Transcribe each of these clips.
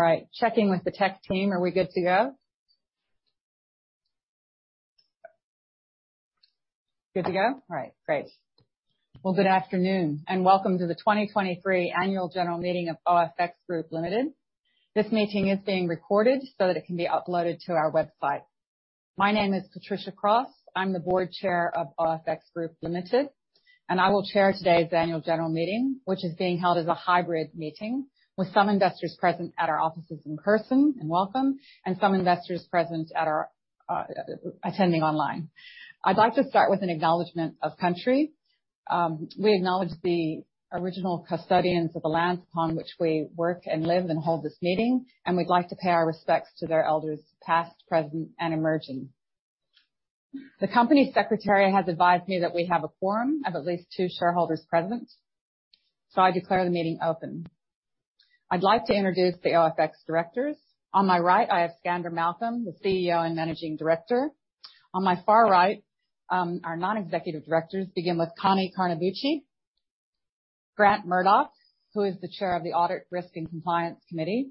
All right, checking with the tech team. Are we good to go? Good to go? All right, great. Well, good afternoon, welcome to the 2023 Annual General Meeting of OFX Group Limited. This meeting is being recorded so that it can be uploaded to our website. My name is Patricia Cross. I'm the board chair of OFX Group Limited, I will chair today's Annual General Meeting, which is being held as a hybrid meeting, with some investors present at our offices in person, and welcome, some investors present at our attending online. I'd like to start with an acknowledgement of country. We acknowledge the original custodians of the lands upon which we work and live and hold this meeting, we'd like to pay our respects to their elders, past, present, and emerging. The company secretary has advised me that we have a quorum of at least two shareholders present. I declare the meeting open. I'd like to introduce the OFX directors. On my right, I have Skander Malcolm, the CEO and Managing Director. On my far right, our non-executive directors begin with Connie Carnabuci, Grant Murdoch, who is the chair of the Audit, Risk, and Compliance Committee,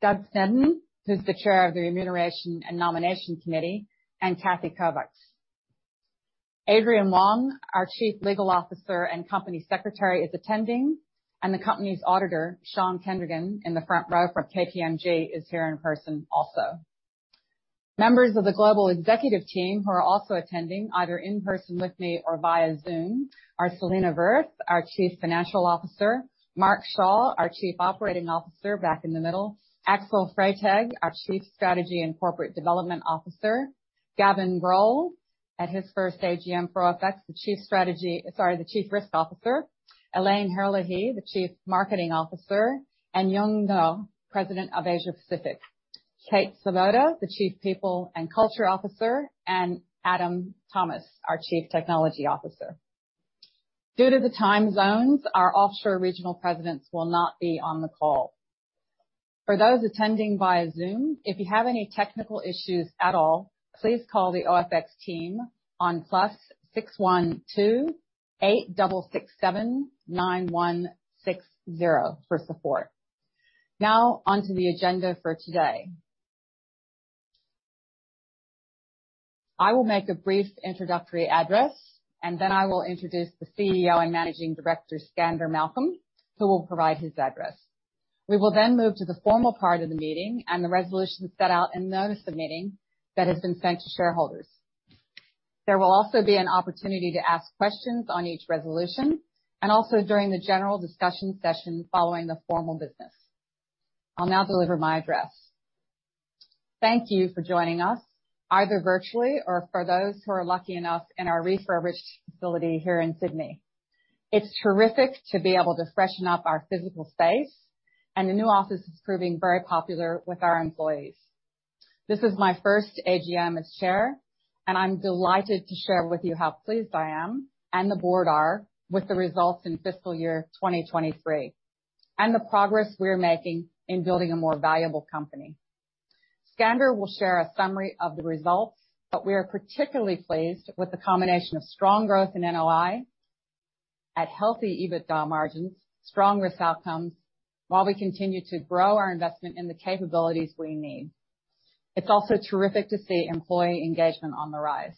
Doug Sneddon, who's the chair of the Remuneration and Nomination Committee, and Cathy Kovacs. Adrian Wong, our Chief Legal Officer and Company Secretary, is attending, and the company's auditor, Sean Kendrigan, in the front row from KPMG, is here in person also. Members of the global executive team, who are also attending either in person with me or via Zoom, are Selena Firth, our Chief Financial Officer, Mark Shaw, our Chief Operating Officer, back in the middle, Axel Freitag, our Chief Strategy and Corporate Development Officer, Gavin Groll, at his first AGM for OFX, sorry, the Chief Risk Officer, Elaine Herlihy, the Chief Marketing Officer, and Yung Ngo, President of Asia Pacific, Kate Svoboda, the Chief People and Culture Officer, and Adam Thomas, our Chief Technology Officer. Due to the time zones, our offshore regional presidents will not be on the call. For those attending via Zoom, if you have any technical issues at all, please call the OFX team on +61 2 8667 9160 for support. On to the agenda for today. I will make a brief introductory address. Then I will introduce the CEO and Managing Director, Skander Malcolm, who will provide his address. We will then move to the formal part of the meeting and the resolutions set out in notice of the meeting that has been sent to shareholders. There will also be an opportunity to ask questions on each resolution, and also during the general discussion session following the formal business. I'll now deliver my address. Thank you for joining us, either virtually or for those who are lucky enough, in our refurbished facility here in Sydney. It's terrific to be able to freshen up our physical space. The new office is proving very popular with our employees. This is my first AGM as chair, and I'm delighted to share with you how pleased I am, and the board are, with the results in fiscal year 2023, and the progress we're making in building a more valuable company. Skander will share a summary of the results, but we are particularly pleased with the combination of strong growth in NOI at healthy EBITDA margins, strong risk outcomes, while we continue to grow our investment in the capabilities we need. It's also terrific to see employee engagement on the rise.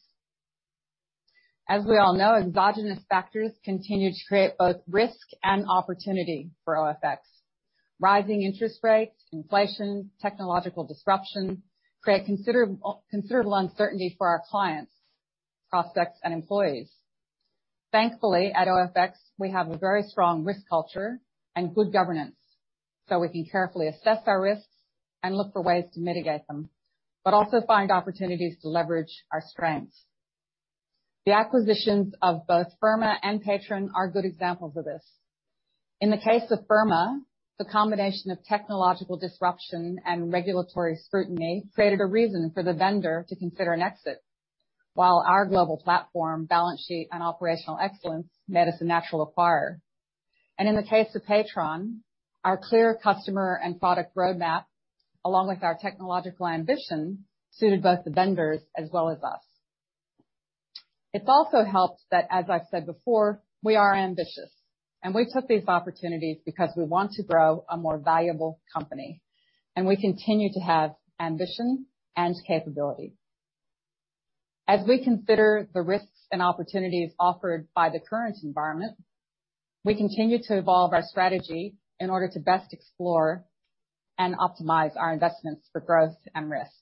As we all know, exogenous factors continue to create both risk and opportunity for OFX. Rising interest rates, inflation, technological disruption create considerable, considerable uncertainty for our clients, prospects, and employees. Thankfully, at OFX, we have a very strong risk culture and good governance. We can carefully assess our risks and look for ways to mitigate them, but also find opportunities to leverage our strengths. The acquisitions of both Firma and Patron are good examples of this. In the case of Firma, the combination of technological disruption and regulatory scrutiny created a reason for the vendor to consider an exit. While our global platform, balance sheet and operational excellence made us a natural acquirer. In the case of Patron, our clear customer and product roadmap, along with our technological ambition, suited both the vendors as well as us. It's also helped that, as I've said before, we are ambitious, and we took these opportunities because we want to grow a more valuable company, and we continue to have ambition and capability. As we consider the risks and opportunities offered by the current environment, we continue to evolve our strategy in order to best explore and optimize our investments for growth and risk.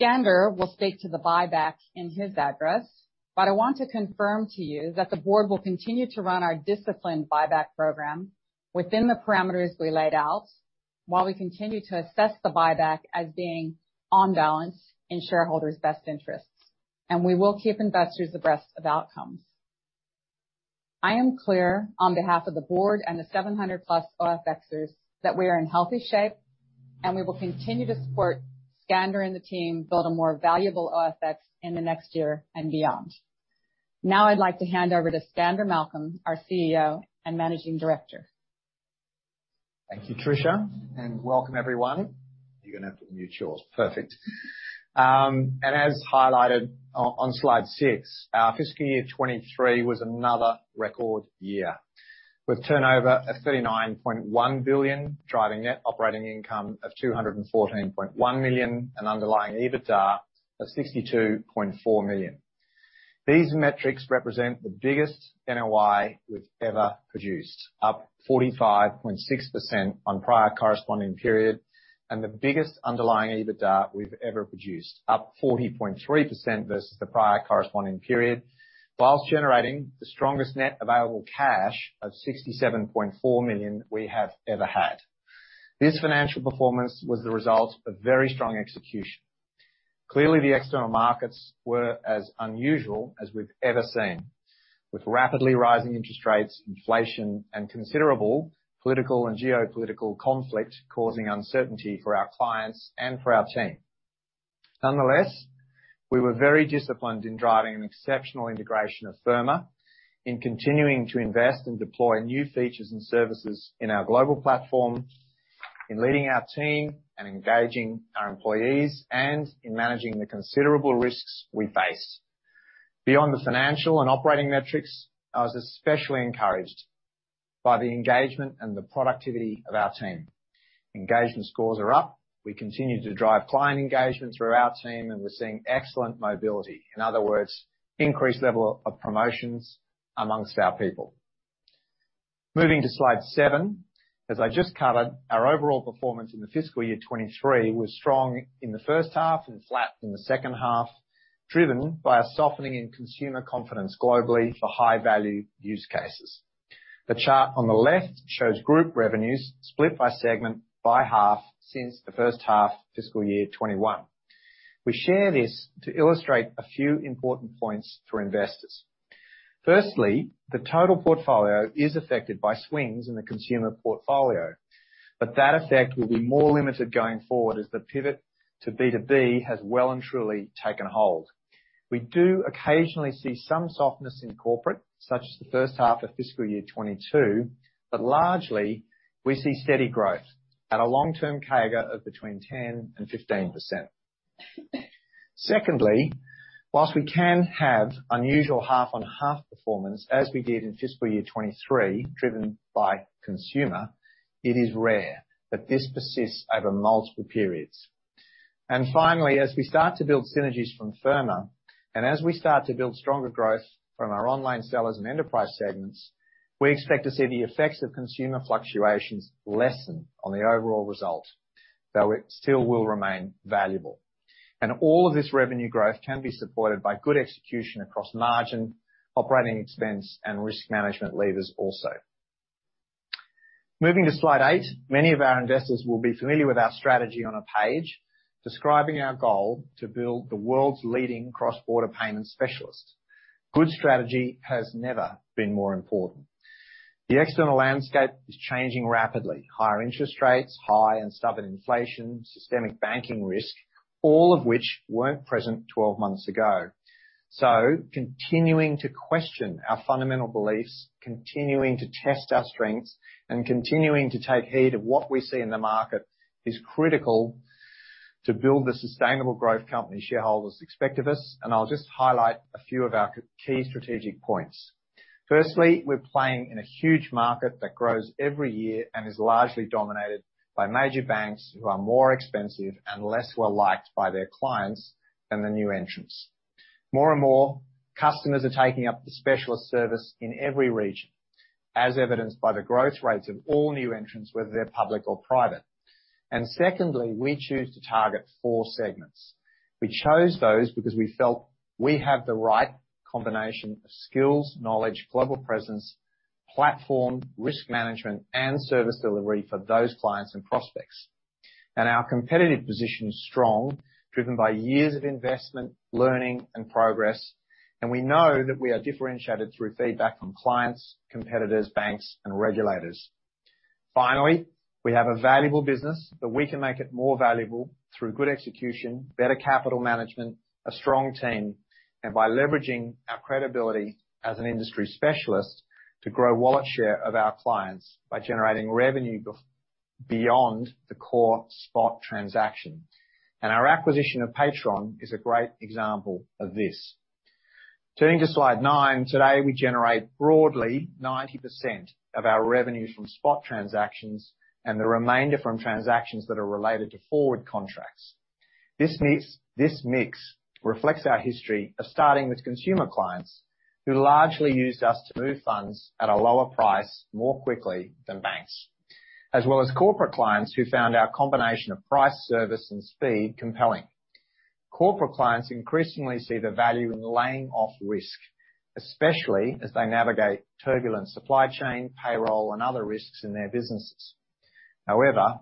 Skander will speak to the buyback in his address, but I want to confirm to you that the board will continue to run our disciplined buyback program within the parameters we laid out, while we continue to assess the buyback as being on balance in shareholders' best interests, and we will keep investors abreast of outcomes. I am clear on behalf of the board and the 700 plus OFXers, that we are in healthy shape, and we will continue to support Skander and the team build a more valuable OFX in the next year and beyond. Now, I'd like to hand over to Skander Malcolm, our CEO and Managing Director. Thank you, Tricia, and welcome everyone. You're gonna have to mute yours. Perfect. As highlighted on, on slide six, our fiscal year 2023 was another record year, with turnover of 39.1 billion, driving net operating income of 214.1 million, and underlying EBITDA of 62.4 million. These metrics represent the biggest NOI we've ever produced, up 45.6% on prior corresponding period, and the biggest underlying EBITDA we've ever produced, up 40.3% versus the prior corresponding period, whilst generating the strongest net available cash of 67.4 million we have ever had. This financial performance was the result of very strong execution. Clearly, the external markets were as unusual as we've ever seen, with rapidly rising interest rates, inflation, and considerable political and geopolitical conflict causing uncertainty for our clients and for our team. Nonetheless, we were very disciplined in driving an exceptional integration of Firma, in continuing to invest and deploy new features and services in our global platform, in leading our team and engaging our employees, and in managing the considerable risks we face. Beyond the financial and operating metrics, I was especially encouraged by the engagement and the productivity of our team. Engagement scores are up. We continue to drive client engagement through our team, and we're seeing excellent mobility. In other words, increased level of promotions amongst our people. Moving to slide seven. As I just covered, our overall performance in the fiscal year 2023 was strong in the first half and flat in the second half, driven by a softening in consumer confidence globally for high-value use cases. The chart on the left shows group revenues split by segment by half since the first half fiscal year 2021. We share this to illustrate a few important points for investors. Firstly, the total portfolio is affected by swings in the consumer portfolio, but that effect will be more limited going forward as the pivot to B2B has well and truly taken hold. We do occasionally see some softness in corporate, such as the first half of fiscal year 2022, but largely, we see steady growth at a long-term CAGR of between 10% and 15%. Secondly, whilst we can have unusual half-on-half performance, as we did in fiscal year 2023, driven by consumer, it is rare that this persists over multiple periods. Finally, as we start to build synergies from Firma, and as we start to build stronger growth from our online sellers and enterprise segments, we expect to see the effects of consumer fluctuations lessen on the overall result, though it still will remain valuable. All of this revenue growth can be supported by good execution across margin, operating expense, and risk management levers also. Moving to slide eight. Many of our investors will be familiar with our strategy on a page, describing our goal to build the world's leading cross-border payment specialist. Good strategy has never been more important. The external landscape is changing rapidly. Higher interest rates, high and stubborn inflation, systemic banking risk, all of which weren't present 12 months ago. Continuing to question our fundamental beliefs, continuing to test our strengths, and continuing to take heed of what we see in the market, is critical to build the sustainable growth company shareholders expect of us, and I'll just highlight a few of our key strategic points. Firstly, we're playing in a huge market that grows every year and is largely dominated by major banks, who are more expensive and less well-liked by their clients than the new entrants. More and more, customers are taking up the specialist service in every region, as evidenced by the growth rates of all new entrants, whether they're public or private. Secondly, we choose to target four segments. We chose those because we felt we have the right combination of skills, knowledge, global presence, platform, risk management, and service delivery for those clients and prospects. Our competitive position is strong, driven by years of investment, learning, and progress, and we know that we are differentiated through feedback from clients, competitors, banks, and regulators. Finally, we have a valuable business, but we can make it more valuable through good execution, better capital management, a strong team, and by leveraging our credibility as an industry specialist to grow wallet share of our clients by generating revenue beyond the core spot transaction. Our acquisition of Patron is a great example of this. Turning to slide nine. Today, we generate broadly 90% of our revenues from spot transactions, and the remainder from transactions that are related to forward contracts. This mix reflects our history of starting with consumer clients, who largely used us to move funds at a lower price, more quickly than banks, as well as corporate clients, who found our combination of price, service, and speed compelling. Corporate clients increasingly see the value in laying off risk, especially as they navigate turbulent supply chain, payroll, and other risks in their businesses. However,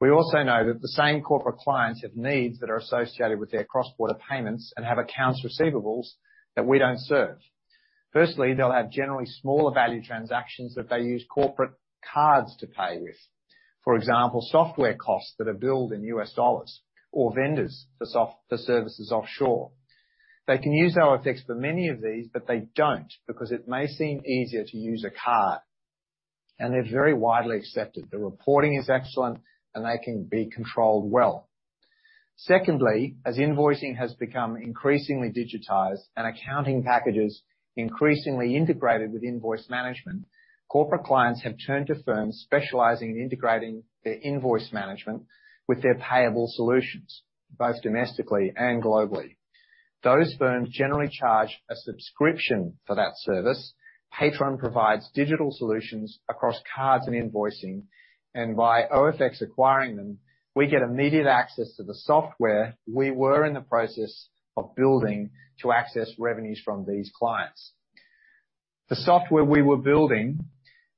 we also know that the same corporate clients have needs that are associated with their cross-border payments, and have accounts receivables that we don't serve. Firstly, they'll have generally smaller value transactions that they use corporate cards to pay with. For example, software costs that are billed in U.S. dollars or vendors for services offshore. They can use OFX for many of these, but they don't, because it may seem easier to use a card, and they're very widely accepted. The reporting is excellent, and they can be controlled well. Secondly, as invoicing has become increasingly digitized and accounting packages increasingly integrated with invoice management, corporate clients have turned to firms specializing in integrating their invoice management with their payable solutions, both domestically and globally. Those firms generally charge a subscription for that service. Patron provides digital solutions across cards and invoicing, and by OFX acquiring them, we get immediate access to the software we were in the process of building to access revenues from these clients. The software we were building,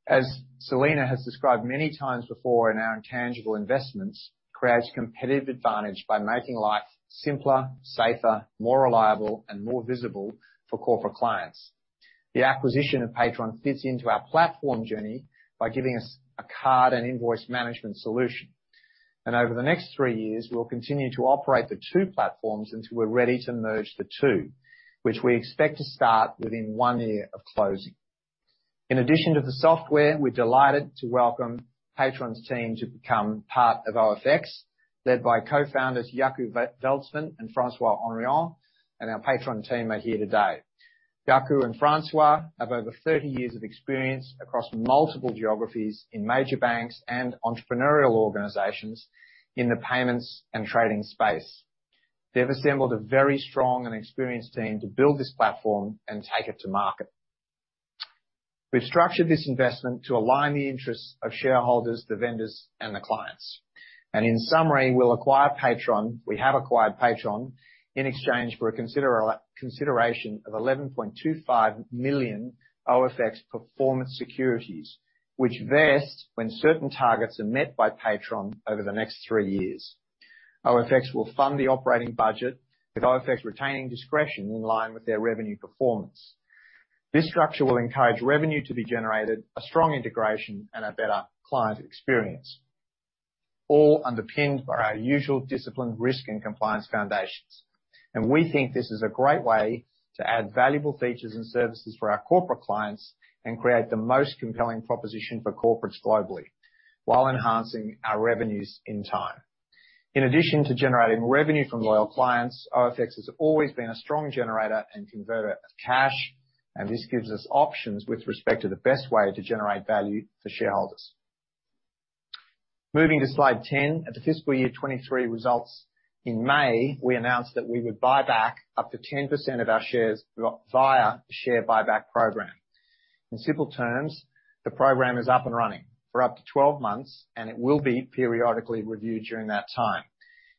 as Selena has described many times before in our intangible investments, creates competitive advantage by making life simpler, safer, more reliable, and more visible for corporate clients. The acquisition of Patron fits into our platform journey by giving us a card and invoice management solution. Over the next 3 years, we'll continue to operate the two platforms until we're ready to merge the two, which we expect to start within 1 year of closing. In addition to the software, we're delighted to welcome Patron's team to become part of OFX, led by co-founders Jacco Veldman and Francois Henrion, our Patron team are here today. Jacco and Francois have over 30 years of experience across multiple geographies in major banks and entrepreneurial organizations in the payments and trading space. They've assembled a very strong and experienced team to build this platform and take it to market. We've structured this investment to align the interests of shareholders, the vendors, and the clients. In summary, we'll acquire Patron. We have acquired Patron in exchange for a consideration of 11.25 million OFX performance securities, which vest when certain targets are met by Patron over the next three years. OFX will fund the operating budget, with OFX retaining discretion in line with their revenue performance. This structure will encourage revenue to be generated, a strong integration, and a better client experience, all underpinned by our usual disciplined risk and compliance foundations. We think this is a great way to add valuable features and services for our corporate clients and create the most compelling proposition for corporates globally, while enhancing our revenues in time. In addition to generating revenue from loyal clients, OFX has always been a strong generator and converter of cash, and this gives us options with respect to the best way to generate value for shareholders. Moving to Slide 10, at the fiscal year 2023 results, in May, we announced that we would buy back up to 10% of our shares via share buyback program. In simple terms, the program is up and running for up to 12 months, and it will be periodically reviewed during that time.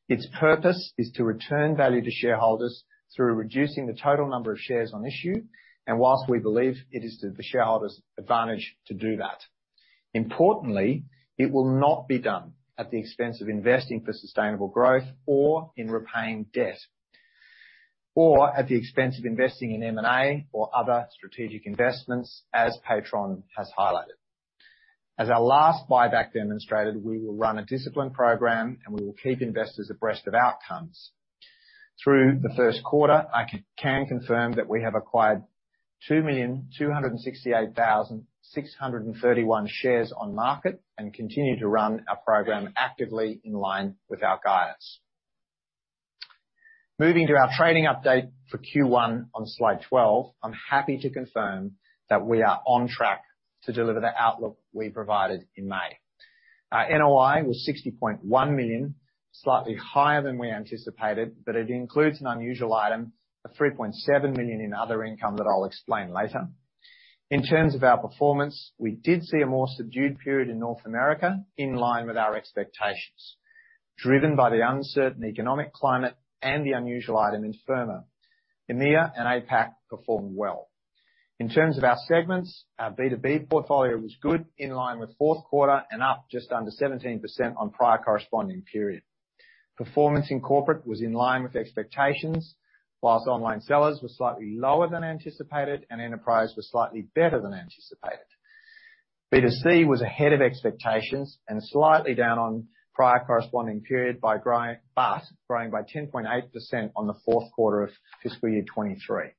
Its purpose is to return value to shareholders through reducing the total number of shares on issue, and whilst we believe it is to the shareholders' advantage to do that. Importantly, it will not be done at the expense of investing for sustainable growth or in repaying debt, or at the expense of investing in M&A or other strategic investments, as Patricia has highlighted. As our last buyback demonstrated, we will run a disciplined program, and we will keep investors abreast of outcomes. Through the first quarter, I can confirm that we have acquired 2,268,631 shares on market and continue to run our program actively in line with our guidance. Moving to our trading update for Q1 on slide twelve, I'm happy to confirm that we are on track to deliver the outlook we provided in May. Our NOI was 60.1 million, slightly higher than we anticipated, but it includes an unusual item, 3.7 million in other income that I'll explain later. In terms of our performance, we did see a more subdued period in North America, in line with our expectations, driven by the uncertain economic climate and the unusual item in Firma. EMEA and APAC performed well. In terms of our segments, our B2B portfolio was good, in line with fourth quarter, and up just under 17% on prior corresponding period. Performance in corporate was in line with expectations, whilst online sellers were slightly lower than anticipated and enterprise was slightly better than anticipated. B2C was ahead of expectations and slightly down on prior corresponding period but growing by 10.8% on the fourth quarter of fiscal year 2023.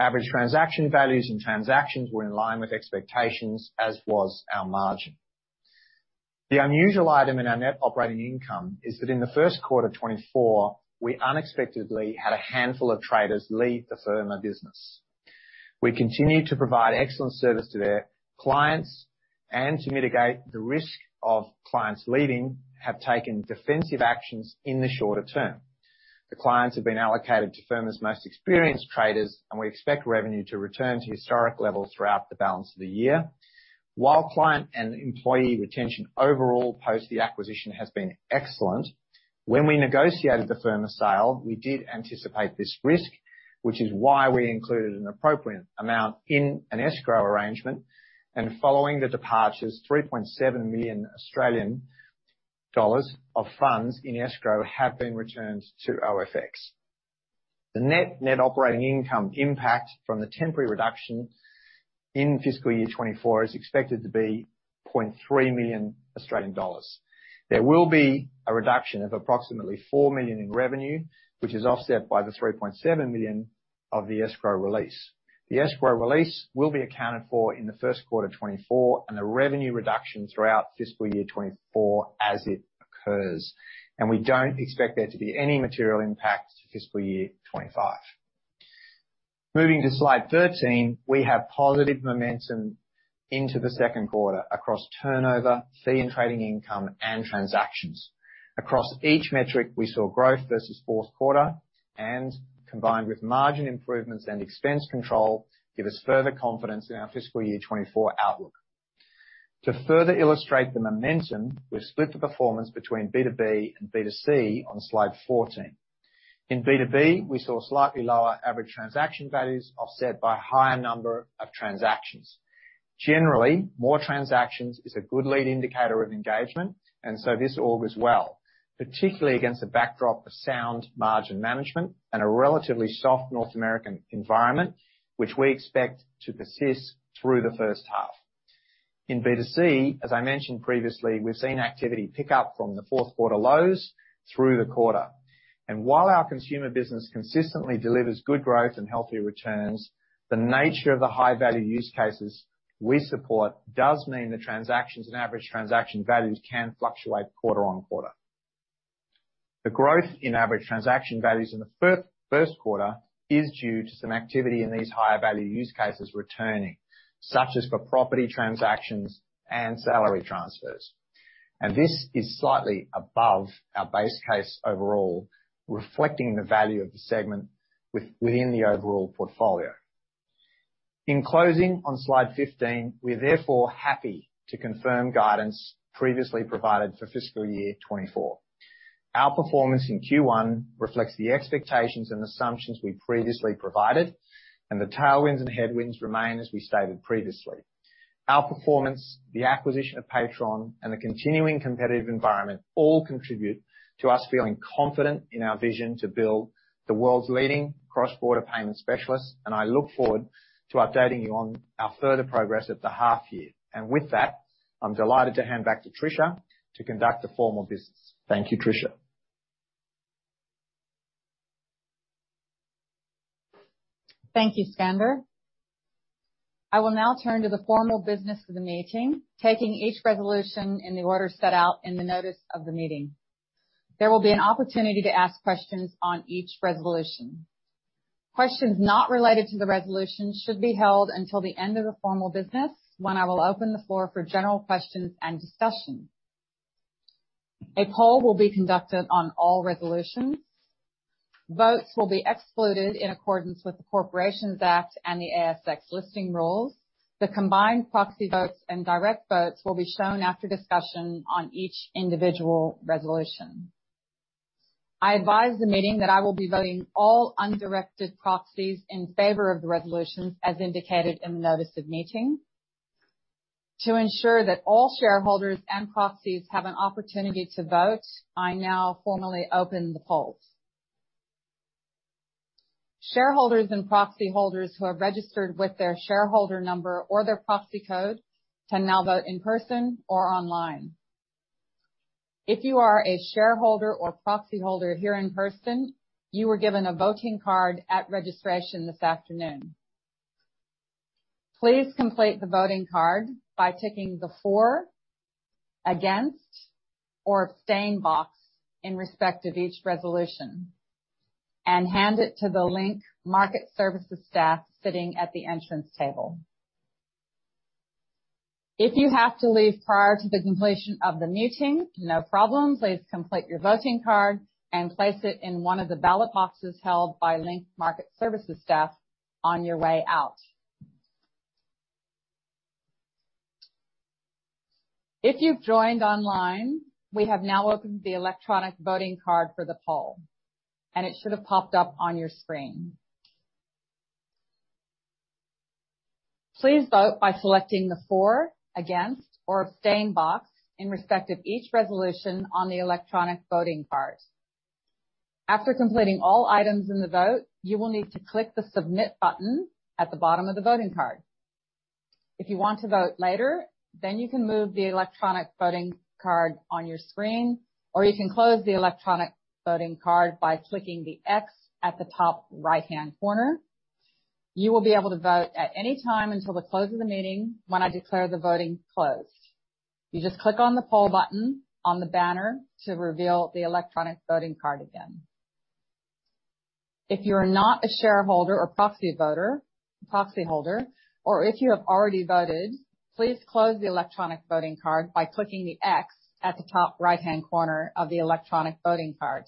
Average transaction values and transactions were in line with expectations, as was our margin. The unusual item in our net operating income is that in the first quarter of 2024, we unexpectedly had a handful of traders leave the Firma business. We continued to provide excellent service to their clients and to mitigate the risk of clients leaving, have taken defensive actions in the shorter term. The clients have been allocated to Firma's most experienced traders. We expect revenue to return to historic levels throughout the balance of the year. While client and employee retention overall, post the acquisition, has been excellent, when we negotiated the Firma sale, we did anticipate this risk, which is why we included an appropriate amount in an escrow arrangement. Following the departures, 3.7 million Australian dollars of funds in escrow have been returned to OFX. The net net operating income impact from the temporary reduction in fiscal year 2024 is expected to be 0.3 million Australian dollars. There will be a reduction of approximately 4 million in revenue, which is offset by the 3.7 million of the escrow release. The escrow release will be accounted for in the first quarter of 2024, and the revenue reduction throughout fiscal year 2024 as it occurs. We don't expect there to be any material impact to fiscal year 2025. Moving to Slide 13, we have positive momentum into the 2Q across turnover, fee and trading income, and transactions. Across each metric, we saw growth versus 4Q, and combined with margin improvements and expense control, give us further confidence in our fiscal year 2024 outlook. To further illustrate the momentum, we've split the performance between B2B and B2C on Slide 14. In B2B, we saw slightly lower average transaction values, offset by a higher number of transactions. Generally, more transactions is a good lead indicator of engagement, and so this augurs well, particularly against a backdrop of sound margin management and a relatively soft North American environment, which we expect to persist through the 1H. In B2C, as I mentioned previously, we've seen activity pick up from the fourth quarter lows through the quarter. While our consumer business consistently delivers good growth and healthy returns, the nature of the high-value use cases we support does mean the transactions and average transaction values can fluctuate quarter on quarter. The growth in average transaction values in the first quarter is due to some activity in these higher value use cases returning, such as for property transactions and salary transfers. This is slightly above our base case overall, reflecting the value of the segment within the overall portfolio. In closing, on Slide 15, we are therefore happy to confirm guidance previously provided for fiscal year 2024. Our performance in Q1 reflects the expectations and assumptions we previously provided, and the tailwinds and headwinds remain as we stated previously. Our performance, the acquisition of Patron, and the continuing competitive environment, all contribute to us feeling confident in our vision to build the world's leading cross-border payment specialist. I look forward to updating you on our further progress at the half year. With that, I'm delighted to hand back to Patricia to conduct the formal business. Thank you, Patricia. Thank you, Skander. I will now turn to the formal business of the meeting, taking each resolution in the order set out in the notice of the meeting. There will be an opportunity to ask questions on each resolution. Questions not related to the resolution should be held until the end of the formal business, when I will open the floor for general questions and discussion. A poll will be conducted on all resolutions. Votes will be excluded in accordance with the Corporations Act and the ASX listing rules. The combined proxy votes and direct votes will be shown after discussion on each individual resolution. I advise the meeting that I will be voting all undirected proxies in favor of the resolutions, as indicated in the notice of meeting. To ensure that all shareholders and proxies have an opportunity to vote, I now formally open the polls. Shareholders and proxy holders who are registered with their shareholder number or their proxy code can now vote in person or online. If you are a shareholder or proxy holder here in person, you were given a voting card at registration this afternoon. Please complete the voting card by ticking the for, against, or abstain box in respect of each resolution, and hand it to the Link Market Services staff sitting at the entrance table. If you have to leave prior to the completion of the meeting, no problem. Please complete your voting card and place it in one of the ballot boxes held by Link Market Services staff on your way out. If you've joined online, we have now opened the electronic voting card for the poll, and it should have popped up on your screen. Please vote by selecting the for, against, or abstain box in respect of each resolution on the electronic voting card. After completing all items in the vote, you will need to click the Submit button at the bottom of the voting card. If you want to vote later, then you can move the electronic voting card on your screen, or you can close the electronic voting card by clicking the X at the top right-hand corner. You will be able to vote at any time until the close of the meeting, when I declare the voting closed. You just click on the Poll button on the banner to reveal the electronic voting card again. If you are not a shareholder or proxy voter, proxy holder, or if you have already voted, please close the electronic voting card by clicking the X at the top right-hand corner of the electronic voting card.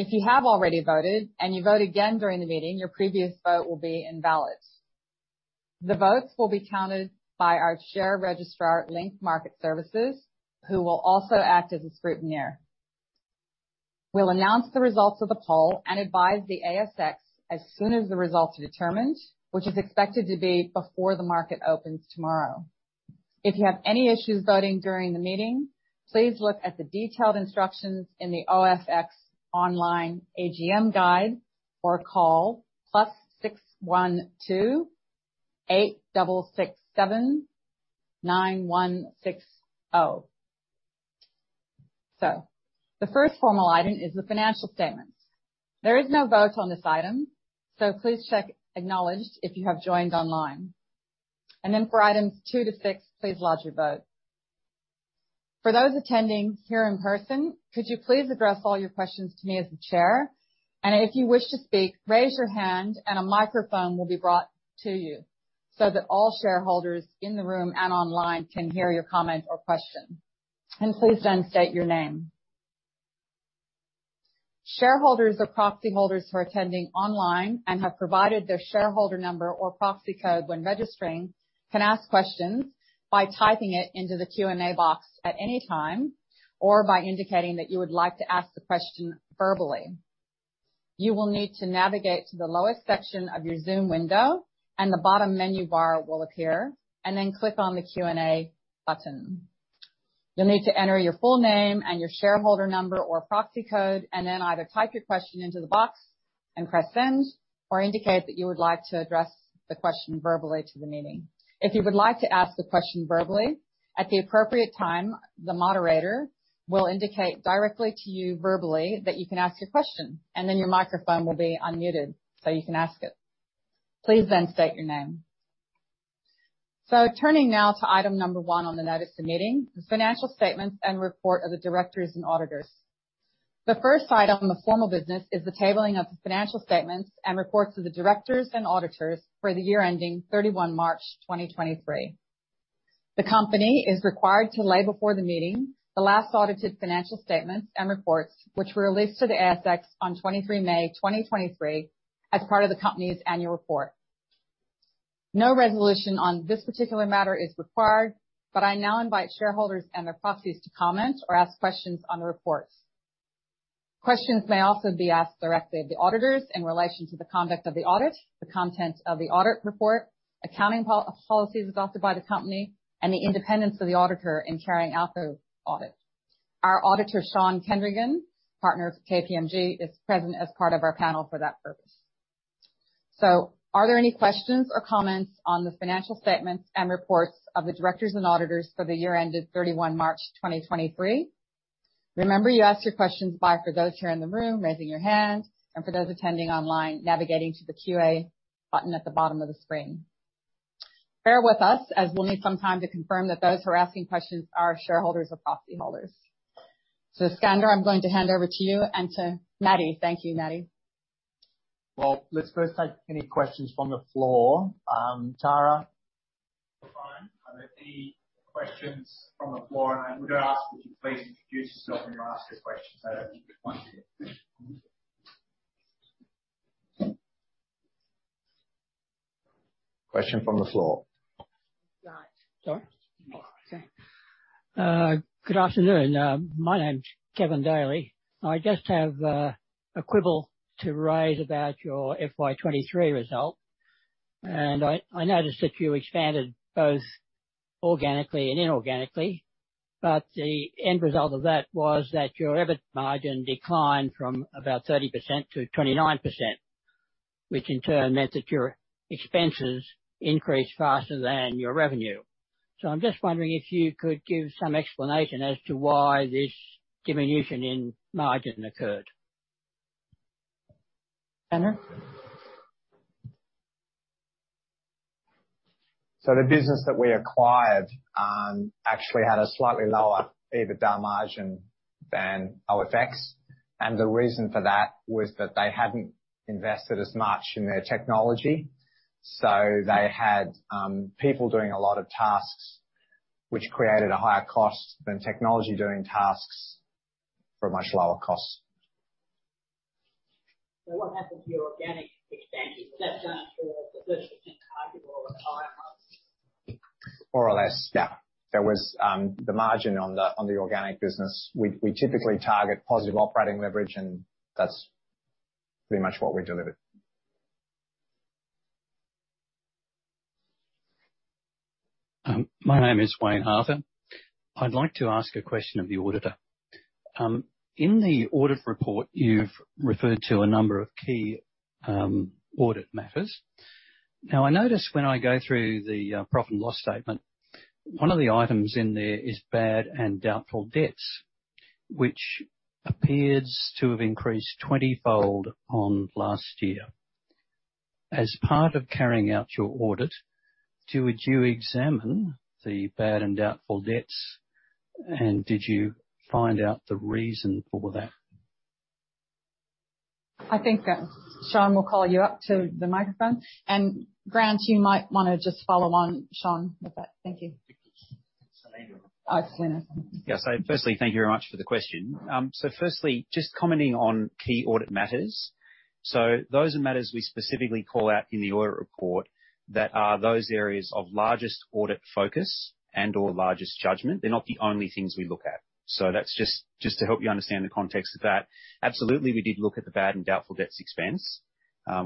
If you have already voted and you vote again during the meeting, your previous vote will be invalid. The votes will be counted by our share registrar, Link Market Services, who will also act as the scrutineer. We'll announce the results of the poll and advise the ASX as soon as the results are determined, which is expected to be before the market opens tomorrow. If you have any issues voting during the meeting, please look at the detailed instructions in the OFX online AGM guide, or call +61 2 8667 9160. The first formal item is the financial statements. There is no vote on this item, please check acknowledged if you have joined online. Then for items 2 to 6, please lodge your vote. For those attending here in person, could you please address all your questions to me as the chair? If you wish to speak, raise your hand and a microphone will be brought to you, so that all shareholders in the room and online can hear your comment or question. Please then state your name. Shareholders or proxy holders who are attending online and have provided their shareholder number or proxy code when registering, can ask questions by typing it into the Q&A box at any time, or by indicating that you would like to ask the question verbally. You will need to navigate to the lowest section of your Zoom window, and the bottom menu bar will appear, and then click on the Q&A button. You'll need to enter your full name and your shareholder number or proxy code, and then either type your question into the box and press send, or indicate that you would like to address the question verbally to the meeting. If you would like to ask the question verbally, at the appropriate time, the moderator will indicate directly to you verbally that you can ask your question, and then your microphone will be unmuted, so you can ask it. Please then state your name. Turning now to item number 1 on the notice of the meeting, the financial statements and report of the directors and auditors. The first item of formal business is the tabling of the financial statements and reports to the directors and auditors for the year ending 31 March 2023. The company is required to lay before the meeting, the last audited financial statements and reports, which were released to the ASX on 23 May 2023, as part of the company's annual report. No resolution on this particular matter is required, I now invite shareholders and their proxies to comment or ask questions on the reports. Questions may also be asked directly of the auditors in relation to the conduct of the audit, the contents of the audit report, accounting policies adopted by the company, and the independence of the auditor in carrying out the audit. Our auditor, Sean Kendrigan, partner of KPMG, is present as part of our panel for that purpose. Are there any questions or comments on the financial statements and reports of the directors and auditors for the year ended 31 March 2023? Remember, you ask your questions by, for those here in the room, raising your hand, and for those attending online, navigating to the QA button at the bottom of the screen. Bear with us, as we'll need some time to confirm that those who are asking questions are shareholders or proxy holders. Skander, I'm going to hand over to you and to Maddy. Thank you, Maddy. Well, let's first take any questions from the floor. Tara? Fine. Are there any questions from the floor? I'm gonna ask that you please introduce yourself when you ask your question. Question from the floor. Right. Sorry. Okay. Good afternoon. My name's Kevin Daly. I just have a quibble to raise about your FY 2023 result, and I, I noticed that you expanded both organically and inorganically, but the end result of that was that your EBIT margin declined from about 30% to 29%, which in turn meant that your expenses increased faster than your revenue. I'm just wondering if you could give some explanation as to why this diminution in margin occurred. Skander? The business that we acquired, actually had a slightly lower EBITDA margin than OFX, and the reason for that was that they hadn't invested as much in their technology. They had, people doing a lot of tasks, which created a higher cost than technology doing tasks for a much lower cost. What happened to your organic expansion? Was that done for the first % target or a higher margin? More or less, yeah. There was, the margin on the, on the organic business. We, we typically target positive operating leverage, and that's pretty much what we delivered. My name is Wayne Harper. I'd like to ask a question of the auditor. In the audit report, you've referred to a number of key audit matters. I noticed when I go through the profit and loss statement, one of the items in there is bad and doubtful debts, which appears to have increased 20-fold on last year. As part of carrying out your audit, do you examine the bad and doubtful debts, and did you find out the reason for that? I think that Sean will call you up to the microphone. Grant, you might wanna just follow on Sean with that. Thank you. Yes. Oh, Sean. Yeah. Firstly, thank you very much for the question. Firstly, just commenting on key audit matters. Those are matters we specifically call out in the audit report that are those areas of largest audit focus and/or largest judgment. They're not the only things we look at. That's just, just to help you understand the context of that. Absolutely, we did look at the bad and doubtful debts expense.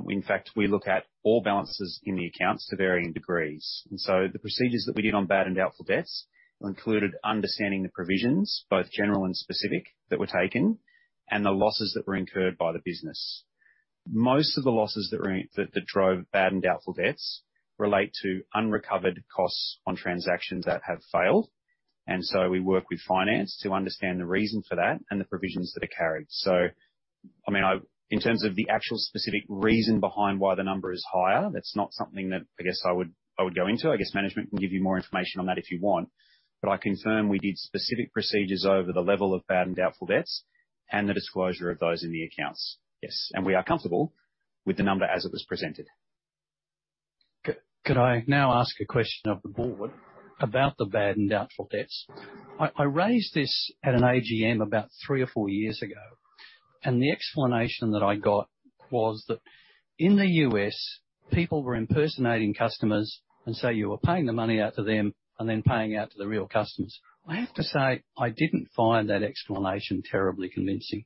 In fact, we look at all balances in the accounts to varying degrees. The procedures that we did on bad and doubtful debts included understanding the provisions, both general and specific, that were taken, and the losses that were incurred by the business. Most of the losses that were, that drove bad and doubtful debts-... relate to unrecovered costs on transactions that have failed, and so we work with finance to understand the reason for that and the provisions that are carried. I mean, I, in terms of the actual specific reason behind why the number is higher, that's not something that, I guess, I would, I would go into. I guess management can give you more information on that if you want. I confirm we did specific procedures over the level of bad and doubtful debts, and the disclosure of those in the accounts. Yes, and we are comfortable with the number as it was presented. Could I now ask a question of the board about the bad and doubtful debts? I raised this at an AGM about 3 or 4 years ago, The explanation that I got was that in the U.S., people were impersonating customers, You were paying the money out to them and then paying out to the real customers. I have to say, I didn't find that explanation terribly convincing.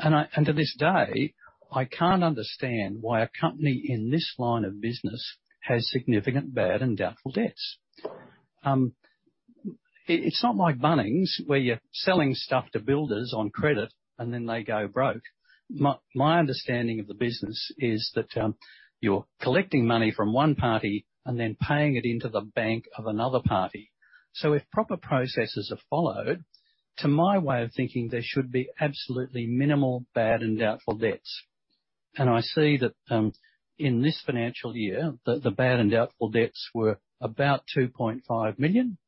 To this day, I can't understand why a company in this line of business has significant bad and doubtful debts. It's not like Bunnings, where you're selling stuff to builders on credit, and then they go broke. My understanding of the business is that you're collecting money from one party and then paying it into the bank of another party. If proper processes are followed, to my way of thinking, there should be absolutely minimal bad and doubtful debts. I see that, in this financial year, the, the bad and doubtful debts were about 2.5 million,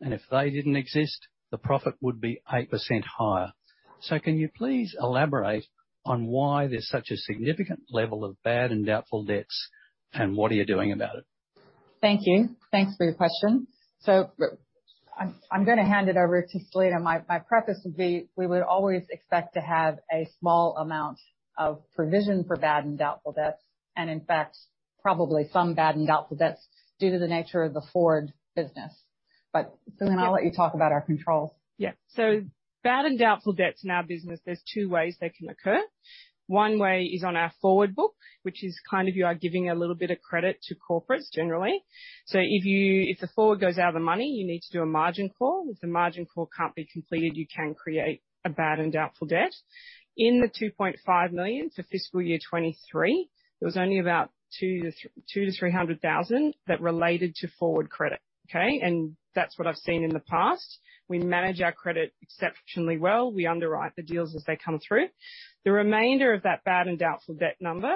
and if they didn't exist, the profit would be 8% higher. Can you please elaborate on why there's such a significant level of bad and doubtful debts, and what are you doing about it? Thank you. Thanks for your question. I'm gonna hand it over to Selena. My preface would be, we would always expect to have a small amount of provision for bad and doubtful debts, and in fact, probably some bad and doubtful debts due to the nature of the forward business. Selena, I'll let you talk about our controls. Bad and doubtful debts in our business, there's two ways they can occur. One way is on our forward book, which is kind of you are giving a little bit of credit to corporates, generally. If you-- if the forward goes out of the money, you need to do a margin call. If the margin call can't be completed, you can create a bad and doubtful debt. In the 2.5 million for fiscal year 2023, there was only about 200,000-300,000 that related to forward credit, okay? That's what I've seen in the past. We manage our credit exceptionally well. We underwrite the deals as they come through. The remainder of that bad and doubtful debt number,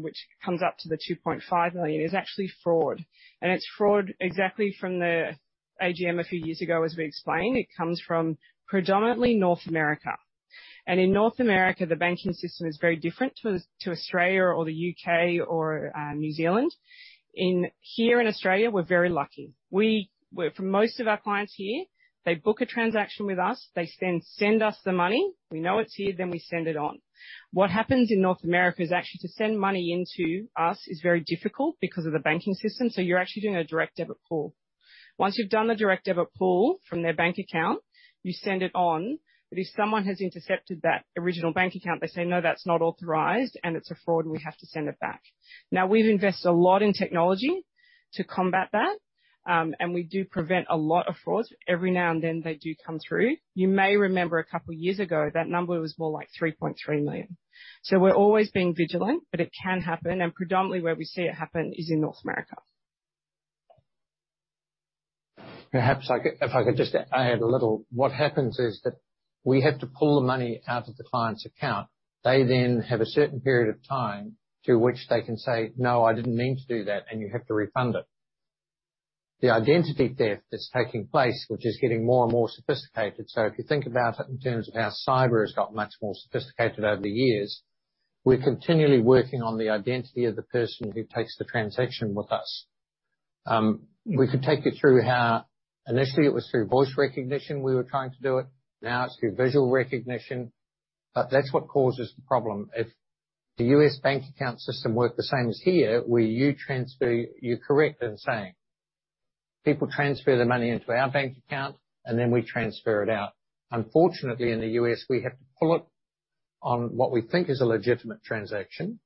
which comes up to the 2.5 million, is actually fraud. It's fraud exactly from the AGM a few years ago, as we explained. It comes from predominantly North America. In North America, the banking system is very different to Australia or the U.K. or New Zealand. Here in Australia, we're very lucky. Well, for most of our clients here, they book a transaction with us, they then send us the money, we know it's here, then we send it on. What happens in North America is actually to send money into us is very difficult because of the banking system, so you're actually doing a direct debit pull. Once you've done the direct debit pull from their bank account, you send it on. If someone has intercepted that original bank account, they say, "No, that's not authorized, and it's a fraud, and we have to send it back." We've invested a lot in technology to combat that, and we do prevent a lot of frauds. Every now and then, they do come through. You may remember a couple years ago, that number was more like $3.3 million. We're always being vigilant, but it can happen, and predominantly where we see it happen is in North America. Perhaps I could, if I could just add a little. What happens is that we have to pull the money out of the client's account. They then have a certain period of time to which they can say, "No, I didn't mean to do that, and you have to refund it." The identity theft that's taking place, which is getting more and more sophisticated, so if you think about it in terms of how cyber has got much more sophisticated over the years, we're continually working on the identity of the person who takes the transaction with us. We could take you through how initially it was through voice recognition we were trying to do it, now it's through visual recognition, but that's what causes the problem. If the U.S. bank account system worked the same as here, where you transfer... You're correct in saying, people transfer their money into our bank account, and then we transfer it out. Unfortunately, in the U.S., we have to pull it on what we think is a legitimate transaction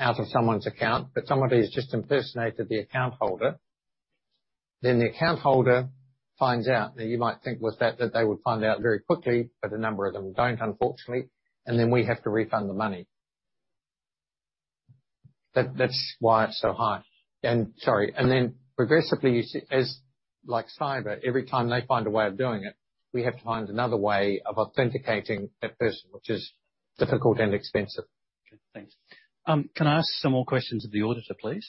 out of someone's account, but somebody has just impersonated the account holder. The account holder finds out, now you might think with that, that they would find out very quickly, but a number of them don't, unfortunately, and then we have to refund the money. That's why it's so high. Sorry, and then progressively, you see, as like cyber, every time they find a way of doing it, we have to find another way of authenticating that person, which is difficult and expensive. Okay, thanks. Can I ask some more questions of the auditor, please?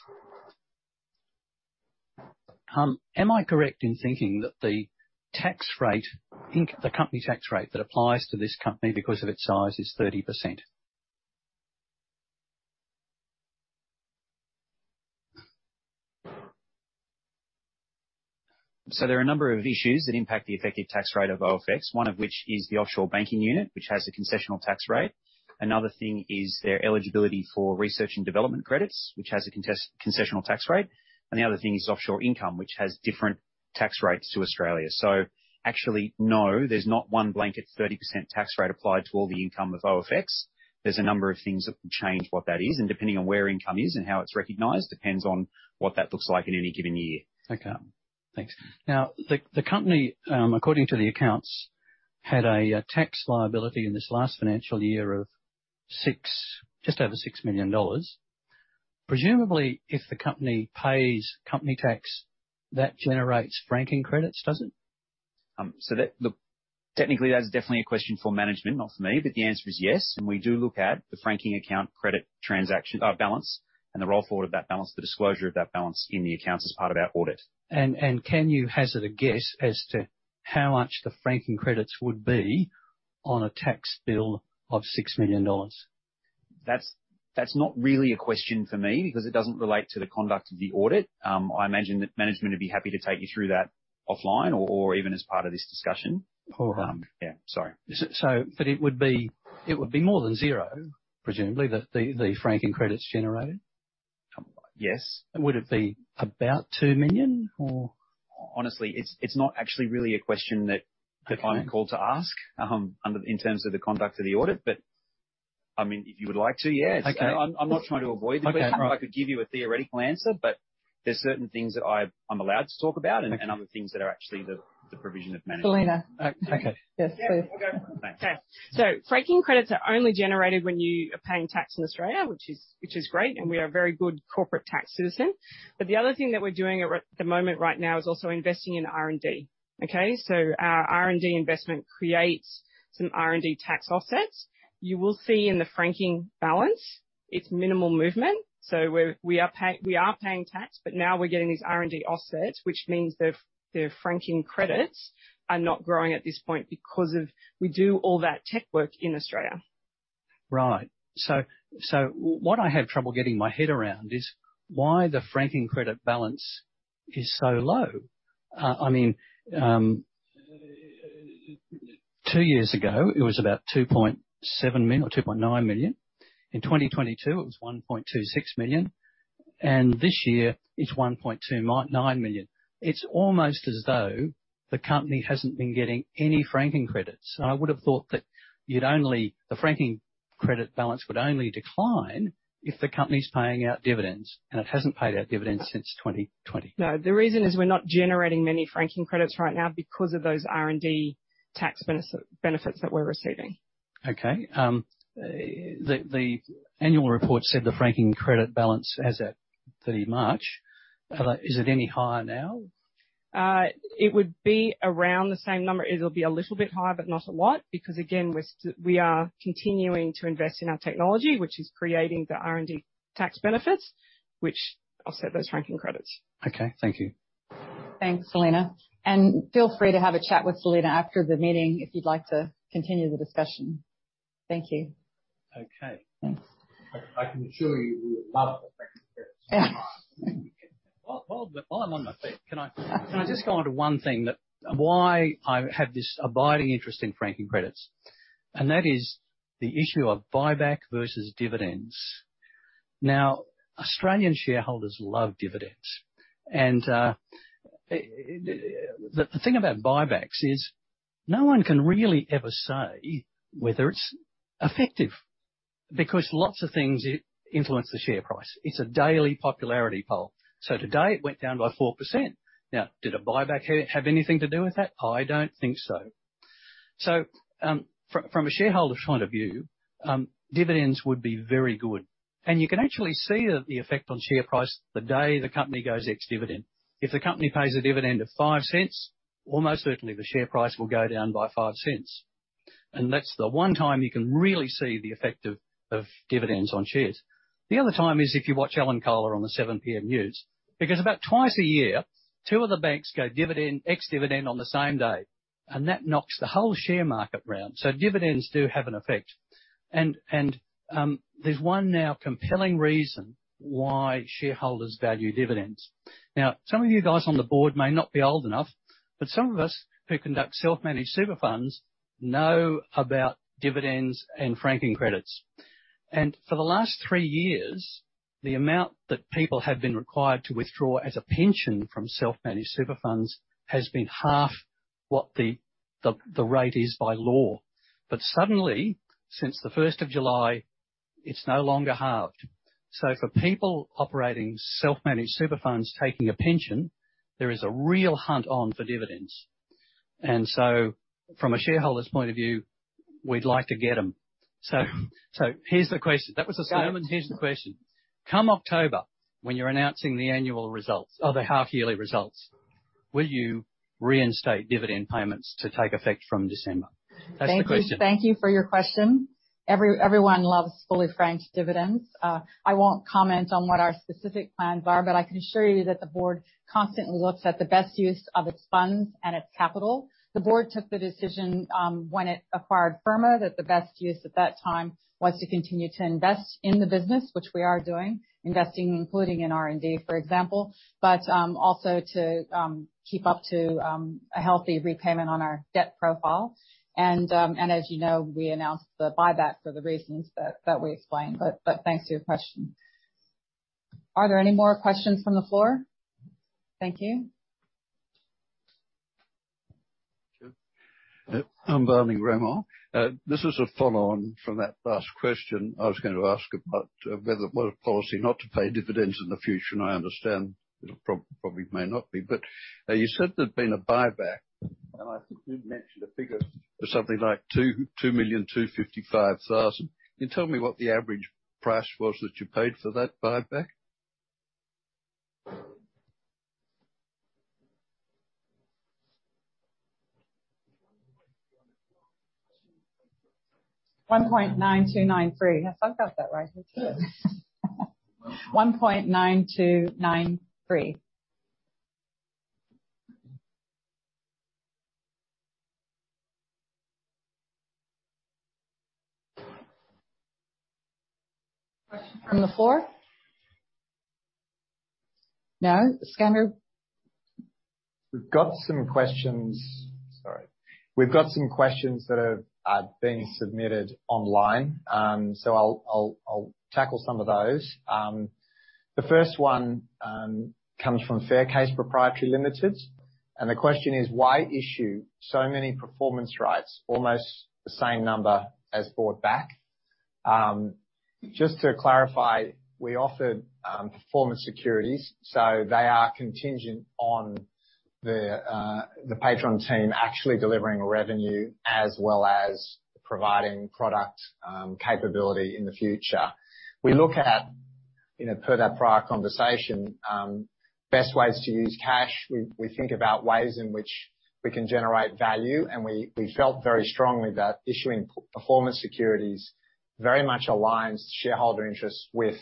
Am I correct in thinking that the tax rate, the company tax rate that applies to this company because of its size, is 30%? There are a number of issues that impact the effective tax rate of OFX, one of which is the offshore banking unit, which has a concessional tax rate. Another thing is their eligibility for research and development credits, which has a concessional tax rate. The other thing is offshore income, which has different tax rates to Australia. Actually, no, there's not one blanket 30% tax rate applied to all the income of OFX. There's a number of things that can change what that is, and depending on where income is and how it's recognized, depends on what that looks like in any given year. Okay, thanks. The, the company, according to the accounts, had a tax liability in this last financial year just over 6 million dollars. Presumably, if the company pays company tax, that generates franking credits, does it? That, look, technically, that's definitely a question for management, not for me, but the answer is yes. We do look at the franking account credit transaction, balance, and the roll forward of that balance, the disclosure of that balance in the accounts as part of our audit. And can you hazard a guess as to how much the franking credits would be on a tax bill of 6 million dollars? That's, that's not really a question for me, because it doesn't relate to the conduct of the audit. I imagine that management would be happy to take you through that offline or, or even as part of this discussion. All right. Yeah, sorry. so but it would be, it would be more than zero, presumably, the franking credits generated? Yes. Would it be about 2 million, or? Honestly, it's, it's not actually really a question that- Okay. -that I'm called to ask, under, in terms of the conduct of the audit. I mean, if you would like to, yes. Okay. I'm not trying to avoid the question. Okay. I could give you a theoretical answer, but there's certain things that I'm allowed to talk about. Okay. Other things that are actually the provision of management. Selena. Okay. Yes, please. Okay. Franking credits are only generated when you are paying tax in Australia, which is, which is great, and we are a very good corporate tax citizen. The other thing that we're doing at the moment right now, is also investing in R&D. Okay? Our R&D investment creates some R&D tax offsets. You will see in the franking balance, it's minimal movement. We're, we are paying tax, but now we're getting these R&D offsets, which means the franking credits are not growing at this point because of... We do all that tech work in Australia. Right. What I have trouble getting my head around is why the franking credit balance is so low. I mean, two years ago, it was about 2.7 mil or 2.9 million. In 2022, it was 1.26 million, and this year it's 1.29 million. It's almost as though the company hasn't been getting any franking credits. I would have thought that the franking credit balance would only decline if the company's paying out dividends, and it hasn't paid out dividends since 2020. No, the reason is we're not generating many franking credits right now because of those R&D tax benefits that we're receiving. Okay, the, the annual report said the franking credit balance as at 30th March. Is it any higher now? It would be around the same number. It'll be a little bit higher, but not a lot, because, again, we are continuing to invest in our technology, which is creating the R&D tax benefits, which offset those franking credits. Okay, thank you. Thanks, Selena, and feel free to have a chat with Selena after the meeting if you'd like to continue the discussion. Thank you. Okay, thanks. I can assure you, we would love the franking credits. While, while, while I'm on my feet, can I just go on to one thing that, why I have this abiding interest in franking credits, and that is the issue of buyback versus dividends. Australian shareholders love dividends, and the thing about buybacks is, no one can really ever say whether it's effective, because lots of things influence the share price. It's a daily popularity poll. Today, it went down by 4%. Did a buyback have anything to do with that? I don't think so. From a shareholder's point of view, dividends would be very good. You can actually see that the effect on share price the day the company goes ex-dividend. If the company pays a dividend of 0.05, almost certainly the share price will go down by 0.05. That's the 1 time you can really see the effect of dividends on shares. The other time is if you watch Alan Kohler on the 7:00PM news, because about 2x a year, two of the banks go dividend, ex-dividend on the same day, and that knocks the whole share market round. Dividends do have an effect. There's one now compelling reason why shareholders value dividends. Now, some of you guys on the board may not be old enough, but some of us who conduct self-managed super funds know about dividends and franking credits. For the last three years, the amount that people have been required to withdraw as a pension from self-managed super funds has been half what the rate is by law. Suddenly, since the 1st of July, it's no longer halved. For people operating self-managed super funds taking a pension, there is a real hunt on for dividends. From a shareholder's point of view, we'd like to get them. Here's the question. That was the sermon. Here's the question: Come October, when you're announcing the annual results or the half yearly results, will you reinstate dividend payments to take effect from December? That's the question. Thank you. Thank you for your question. Everyone loves fully franked dividends. I won't comment on what our specific plans are, but I can assure you that the board constantly looks at the best use of its funds and its capital. The board took the decision when it acquired Firma that the best use at that time was to continue to invest in the business, which we are doing, investing, including in R&D, for example, but also to keep up to a healthy repayment on our debt profile. As you know, we announced the buyback for the reasons that, that we explained. But thanks for your question. Are there any more questions from the floor? Thank you. Sure. I'm Bernie Ramar. This is a follow-on from that last question. I was going to ask about whether it was a policy not to pay dividends in the future, and I understand it probably may not be. You said there'd been a buyback-... I think you mentioned a figure of something like 2,255,000. Can you tell me what the average price was that you paid for that buyback? 1.9293. I got that right. 1.9293. Questions from the floor? No. Skander? We've got some questions. Sorry. We've got some questions that have been submitted online. I'll tackle some of those. The first one comes from Faircase Proprietary Limited, and the question is: Why issue so many performance rights, almost the same number as bought back? Just to clarify, we offered performance securities, so they are contingent on the Patron team actually delivering revenue as well as providing product capability in the future. We look at, you know, per that prior conversation, best ways to use cash. We, we think about ways in which we can generate value, and we, we felt very strongly that issuing performance securities very much aligns shareholder interests with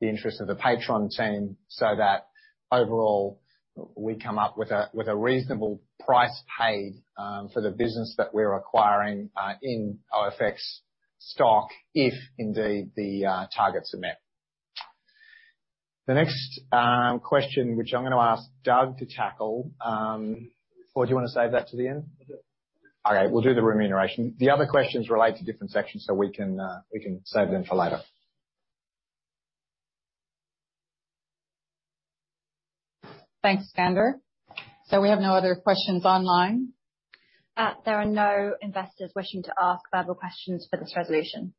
the interest of the Patron team, so that overall, we come up with a, with a reasonable price paid for the business that we're acquiring in OFX stock, if indeed, the targets are met. The next question, which I'm going to ask Doug to tackle. Do you want to save that to the end? Okay. All right, we'll do the remuneration. The other questions relate to different sections, so we can, we can save them for later. Thanks, Skander. We have no other questions online? There are no investors wishing to ask verbal questions for this resolution.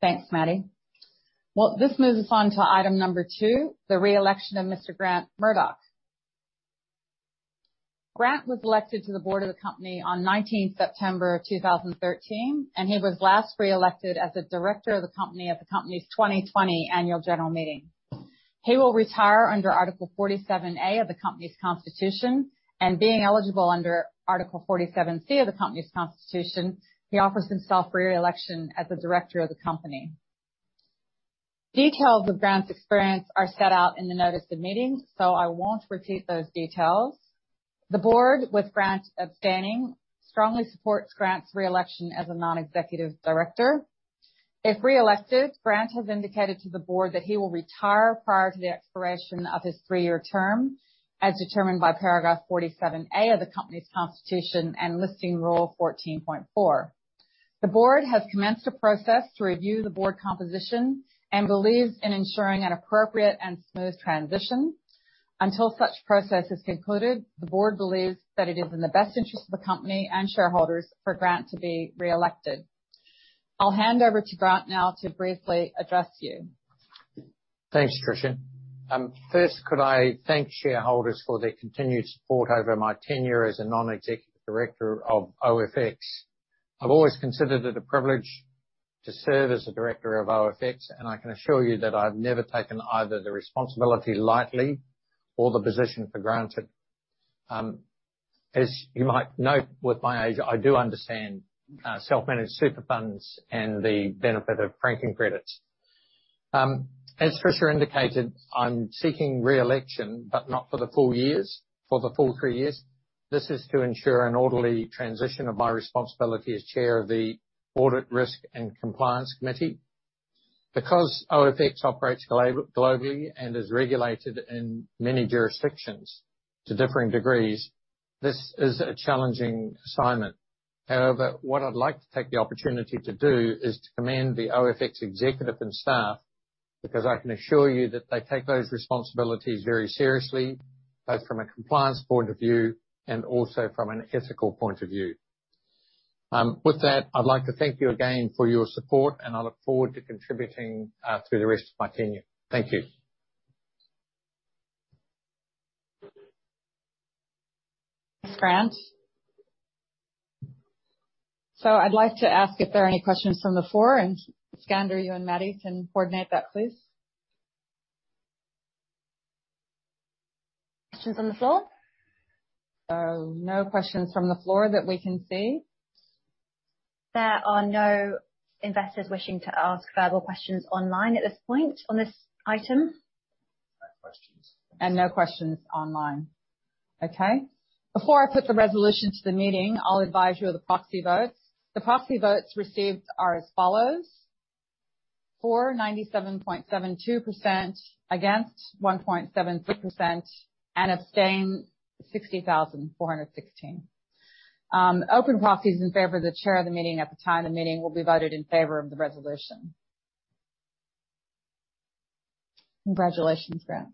Thanks, Maddie. Well, this moves us on to item number two, the re-election of Mr. Grant Murdoch. Grant was elected to the board of the company on 19th September of 2013, and he was last re-elected as a director of the company at the company's 2020 Annual General Meeting. He will retire under Article 47A of the company's constitution, and being eligible under Article 47C of the company's constitution, he offers himself for re-election as a director of the company. Details of Grant's experience are set out in the notice of meeting, so I won't repeat those details. The board, with Grant abstaining, strongly supports Grant's re-election as a non-executive director. If re-elected, Grant has indicated to the board that he will retire prior to the expiration of his three-year term, as determined by paragraph 47 A of the company's constitution and Listing Rule 14.4. The board has commenced a process to review the board composition and believes in ensuring an appropriate and smooth transition. Until such process is concluded, the board believes that it is in the best interest of the company and shareholders for Grant to be re-elected. I'll hand over to Grant now to briefly address you. Thanks, Patricia. First, could I thank shareholders for their continued support over my tenure as a non-executive director of OFX. I've always considered it a privilege to serve as a director of OFX, and I can assure you that I've never taken either the responsibility lightly or the position for granted. As you might note, with my age, I do understand self-managed super funds and the benefit of franking credits. As Patricia indicated, I'm seeking re-election, but not for the full years, for the full 3 years. This is to ensure an orderly transition of my responsibility as chair of the Audit, Risk and Compliance Committee. Because OFX operates globally and is regulated in many jurisdictions to differing degrees, this is a challenging assignment. What I'd like to take the opportunity to do is to commend the OFX executive and staff, because I can assure you that they take those responsibilities very seriously, both from a compliance point of view and also from an ethical point of view. With that, I'd like to thank you again for your support. I look forward to contributing through the rest of my tenure. Thank you. Thanks, Grant. I'd like to ask if there are any questions from the floor, and Skander, you and Maddie can coordinate that, please? Questions from the floor? No questions from the floor that we can see. There are no investors wishing to ask verbal questions online at this point on this item. No questions. No questions online. Okay. Before I put the resolution to the meeting, I'll advise you of the proxy votes. The proxy votes received are as follows: for, 97.72%, against 1.76%, and abstain, 60,416. Open proxies in favor of the chair of the meeting at the time of the meeting will be voted in favor of the resolution. Congratulations, Grant.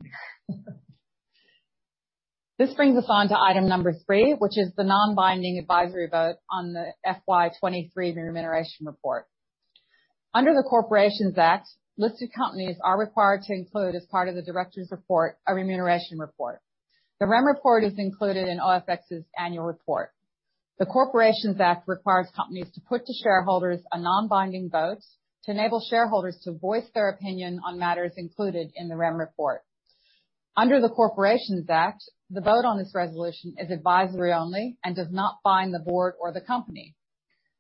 This brings us on to item number three, which is the non-binding advisory vote on the FY 2023 Remuneration Report. Under the Corporations Act, listed companies are required to include, as part of the Directors Report, a Remuneration Report. The REM Report is included in OFX's Annual Report. The Corporations Act requires companies to put to shareholders a non-binding vote to enable shareholders to voice their opinion on matters included in the REM Report. Under the Corporations Act, the vote on this resolution is advisory only and does not bind the board or the company.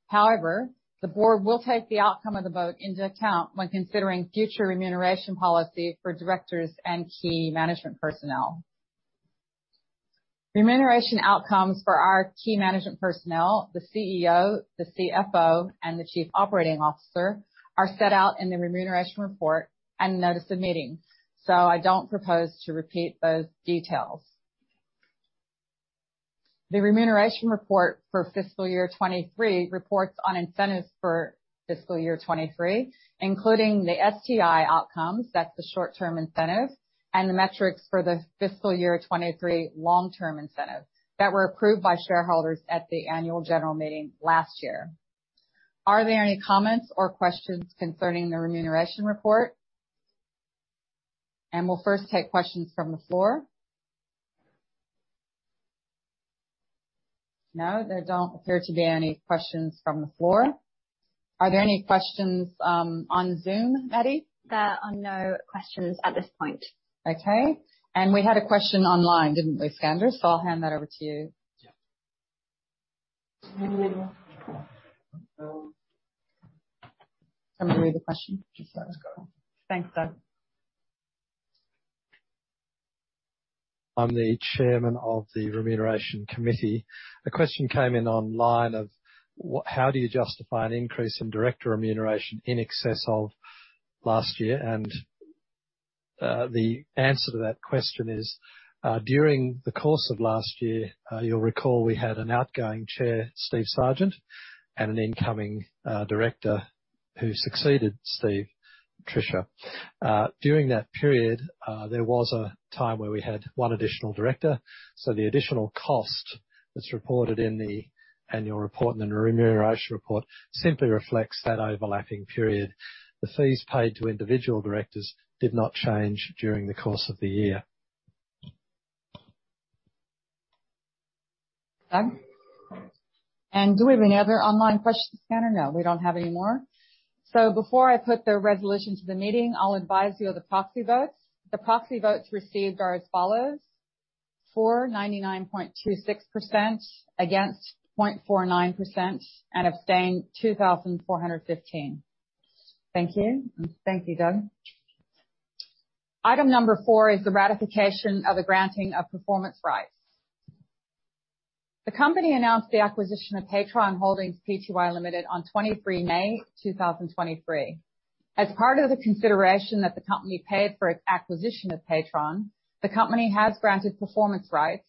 However, the board will take the outcome of the vote into account when considering future remuneration policy for directors and key management personnel. Remuneration outcomes for our key management personnel, the CEO, the CFO, and the Chief Operating Officer, are set out in the remuneration report and notice of meeting. I don't propose to repeat those details. The remuneration report for fiscal year 2023 reports on incentives for fiscal year 2023, including the STI outcomes, that's the short-term incentives, and the metrics for the fiscal year 2023 long-term incentives that were approved by shareholders at the Annual General Meeting last year. Are there any comments or questions concerning the remuneration report? We'll first take questions from the floor. No, there don't appear to be any questions from the floor. Are there any questions on Zoom, Maddie? There are no questions at this point. Okay, we had a question online, didn't we, Skander? I'll hand that over to you. Yeah. Do you want me to read the question? Yes, go on. Thanks, Doug. I'm the Chairman of the Remuneration Committee. A question came in online of how do you justify an increase in director remuneration in excess of last year? The answer to that question is, during the course of last year, you'll recall we had an outgoing chair, Steven Sargent, and an incoming director who succeeded Steve, Patricia. During that period, there was a time where we had one additional director, so the additional cost that's reported in the annual report and the remuneration report simply reflects that overlapping period. The fees paid to individual directors did not change during the course of the year. Okay. Do we have any other online questions, Skander? No, we don't have any more. Before I put the resolution to the meeting, I'll advise you of the proxy votes. The proxy votes received are as follows: for, 99.26%, against 0.49%, and abstained, 2,415. Thank you. Thank you, Doug. Item number four is the ratification of the granting of performance rights. The company announced the acquisition of Patron Holdings Pty Ltd on May 23rd, 2023. As part of the consideration that the company paid for its acquisition of Patron, the company has granted performance rights,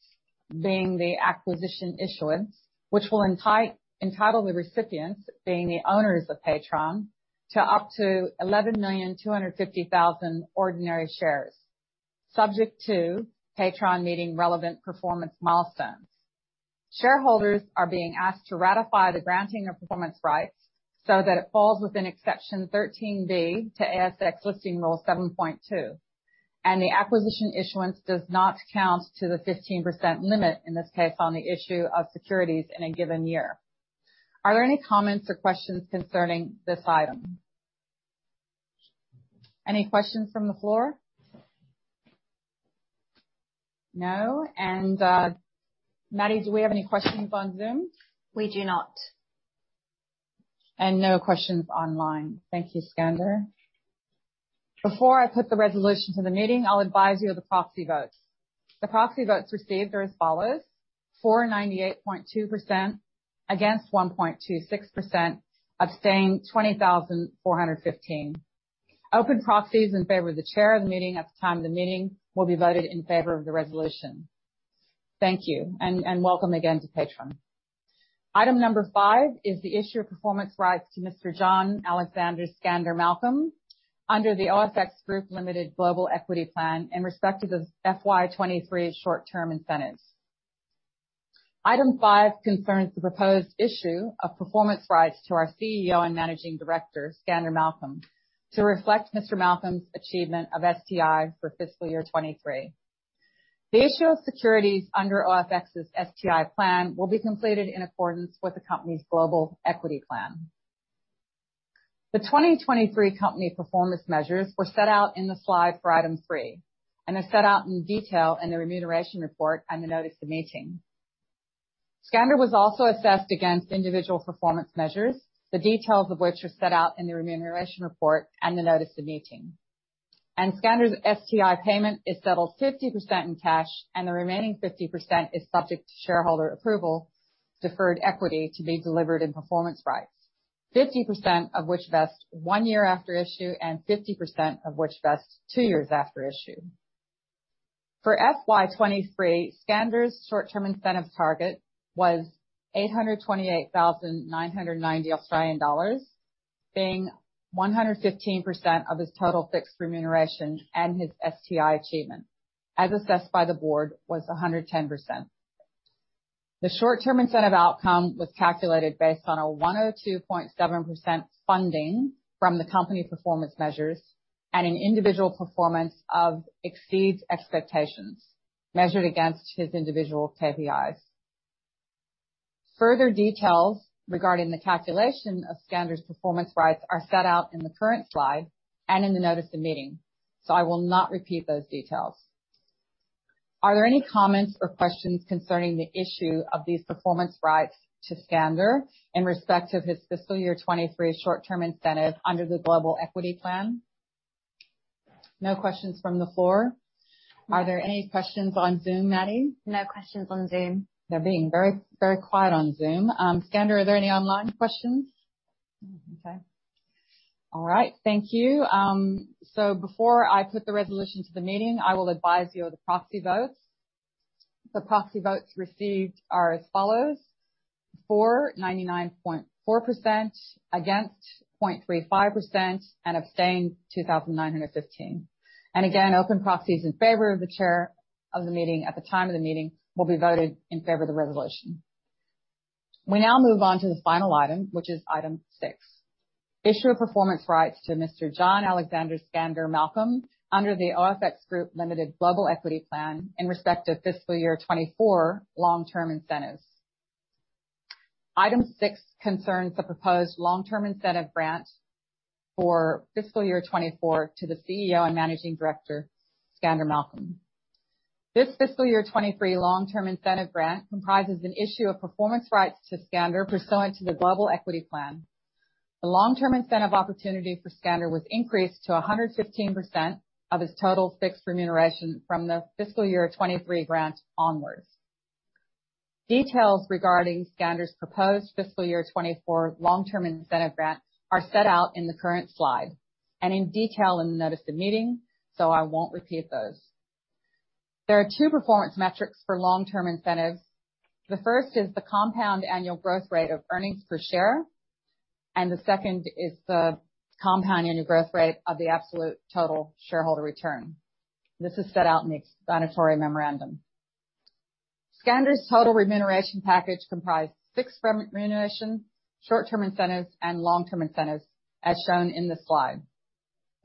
being the acquisition issuance, which will entitle the recipients, being the owners of Patron, to up to 11,250,000 ordinary shares, subject to Patron meeting relevant performance milestones. Shareholders are being asked to ratify the granting of performance rights so that it falls within exception 13-B to ASX listing rule 7.2, and the acquisition issuance does not count to the 15% limit, in this case, on the issue of securities in a given year. Are there any comments or questions concerning this item? Any questions from the floor? No. Maddie, do we have any questions on Zoom? We do not. No questions online. Thank you, Skander. Before I put the resolution to the meeting, I'll advise you of the proxy votes. The proxy votes received are as follows: for, 98.2%, against 1.26%, abstained, 20,415. Open proxies in favor of the chair of the meeting at the time of the meeting will be voted in favor of the resolution. Thank you, and welcome again to Patron. Item five is the issue of performance rights to Mr. John Alexander Skander Malcolm under the OFX Group Limited Global Equity Plan in respect of the FY 2023 short-term incentives. Item 5 concerns the proposed issue of performance rights to our CEO and Managing Director, Skander Malcolm, to reflect Mr. Malcolm's achievement of STI for fiscal year 2023. The issue of securities under OFX's STI plan will be completed in accordance with the company's global equity plan. The 2023 company performance measures were set out in the slide for item three and are set out in detail in the remuneration report and the notice of meeting. Skander was also assessed against individual performance measures, the details of which are set out in the remuneration report and the notice of meeting. Skander's STI payment is settled 50% in cash, and the remaining 50% is subject to shareholder approval, deferred equity to be delivered in performance rights, 50% of which vest one year after issue and 50% of which vests two years after issue. For FY 2023, Skander's short-term incentive target was 828,990 Australian dollars, being 115% of his total fixed remuneration, and his STI achievement, as assessed by the board, was 110%. The short-term incentive outcome was calculated based on a 102.7% funding from the company performance measures and an individual performance of exceeds expectations, measured against his individual KPIs. Further details regarding the calculation of Skander's performance rights are set out in the current slide and in the notice of meeting, so I will not repeat those details. Are there any comments or questions concerning the issue of these performance rights to Skander in respect of his fiscal year 23 short-term incentives under the Global Equity Plan? No questions from the floor. Are there any questions on Zoom, Maddie? No questions on Zoom. They're being very, very quiet on Zoom. Skander, are there any online questions? Okay. All right, thank you. Before I put the resolution to the meeting, I will advise you of the proxy votes. The proxy votes received are as follows: for, 99.4%, against 0.35%, and abstained, 2,915. Again, open proxies in favor of the chair of the meeting, at the time of the meeting, will be voted in favor of the resolution. We now move on to the final item, which is Item six: Issue of performance rights to Mr. John Alexander Skander Malcolm under the OFX Group Limited Global Equity Plan in respect to fiscal year 2024 long-term incentives. Item six concerns the proposed long-term incentive grant for fiscal year 2024 to the CEO and Managing Director, Skander Malcolm. This fiscal year 23 long-term incentive grant comprises an issue of performance rights to Skander, pursuant to the Global Equity Plan. The long-term incentive opportunity for Skander was increased to 115% of his total fixed remuneration from the fiscal year 23 grant onwards. Details regarding Skander's proposed fiscal year 24 long-term incentive grant are set out in the current slide and in detail in the notice of meeting, so I won't repeat those. There are two performance metrics for long-term incentives. The first is the compound annual growth rate of earnings per share, and the second is the compound annual growth rate of the absolute total shareholder return. This is set out in the explanatory memorandum. Skander's total remuneration package comprised fixed remuneration, short-term incentives, and long-term incentives, as shown in this slide.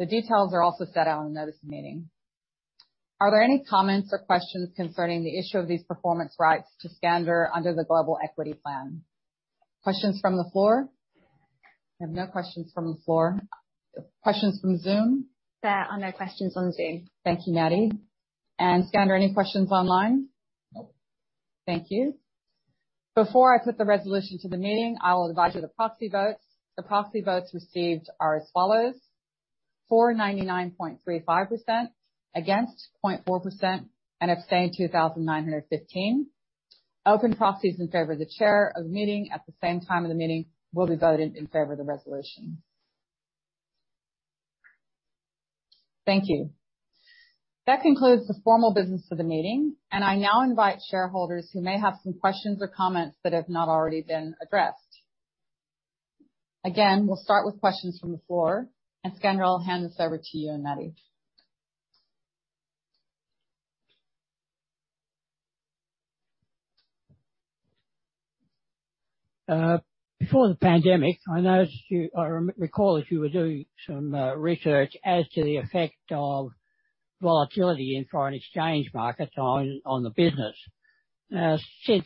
The details are also set out in the notice of meeting. Are there any comments or questions concerning the issue of these performance rights to Skander under the Global Equity Plan? Questions from the floor? I have no questions from the floor. Questions from Zoom? There are no questions on Zoom. Thank you, Maddie. Skander, any questions online? Nope. Thank you. Before I put the resolution to the meeting, I will advise you the proxy votes. The proxy votes received are as follows: for, 99.35%, against 0.4%, and abstained, 2,915. Open proxies in favor of the chair of the meeting, at the same time of the meeting, will be voted in favor of the resolution. Thank you. That concludes the formal business of the meeting. I now invite shareholders who may have some questions or comments that have not already been addressed. Again, we'll start with questions from the floor, and Skander, I'll hand this over to you and Maddie. Before the pandemic, I recall that you were doing some research as to the effect of volatility in foreign exchange markets on, on the business. Since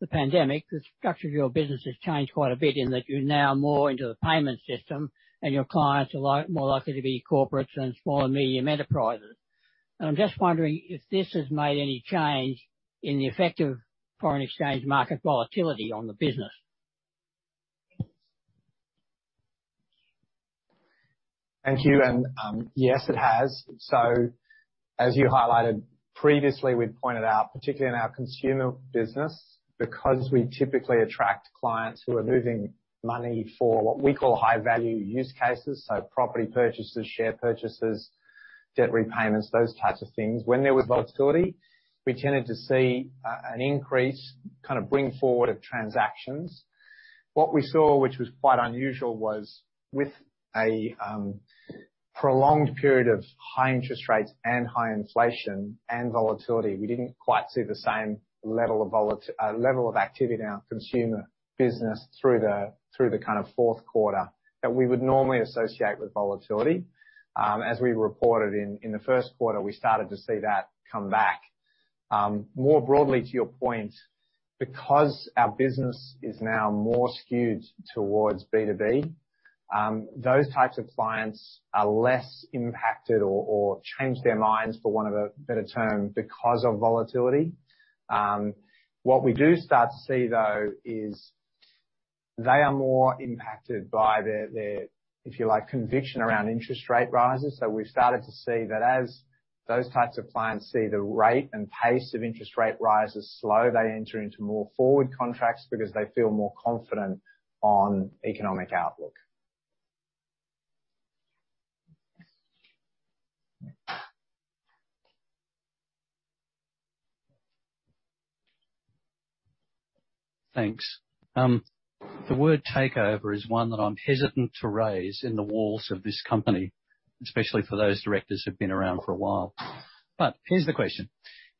the pandemic, the structure of your business has changed quite a bit in that you're now more into the payment system, and your clients are like, more likely to be corporates and small and medium enterprises. I'm just wondering if this has made any change in the effect of foreign exchange market volatility on the business. Thank you. Yes, it has. As you highlighted previously, we've pointed out, particularly in our consumer business, because we typically attract clients who are moving money for what we call high-value use cases, so property purchases, share purchases, debt repayments, those types of things. When there was volatility, we tended to see an increase, kind of bring forward of transactions. What we saw, which was quite unusual, was with a prolonged period of high interest rates and high inflation and volatility, we didn't quite see the same level of activity in our consumer business through the, through the kind of fourth quarter that we would normally associate with volatility. As we reported in the first quarter, we started to see that come back. More broadly to your point, because our business is now more skewed towards B2B, those types of clients are less impacted or, or change their minds, for want of a better term, because of volatility. What we do start to see, though, is they are more impacted by their, their, if you like, conviction around interest rate rises. We've started to see that as those types of clients see the rate and pace of interest rate rises slow, they enter into more forward contracts because they feel more confident on economic outlook. ... Thanks. The word takeover is one that I'm hesitant to raise in the walls of this company, especially for those directors who've been around for a while. But here's the question: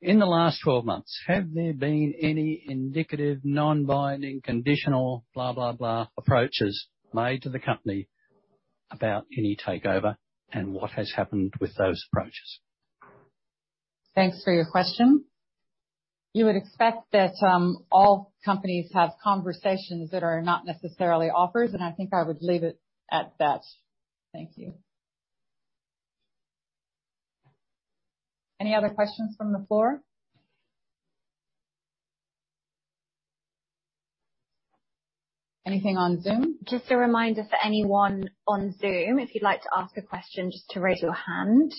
In the last 12 months, have there been any indicative, non-binding, conditional, blah, blah, blah, approaches made to the company about any takeover? What has happened with those approaches? Thanks for your question. You would expect that all companies have conversations that are not necessarily offers, and I think I would leave it at that. Thank you. Any other questions from the floor? Anything on Zoom? Just a reminder for anyone on Zoom, if you'd like to ask a question, just to raise your hand.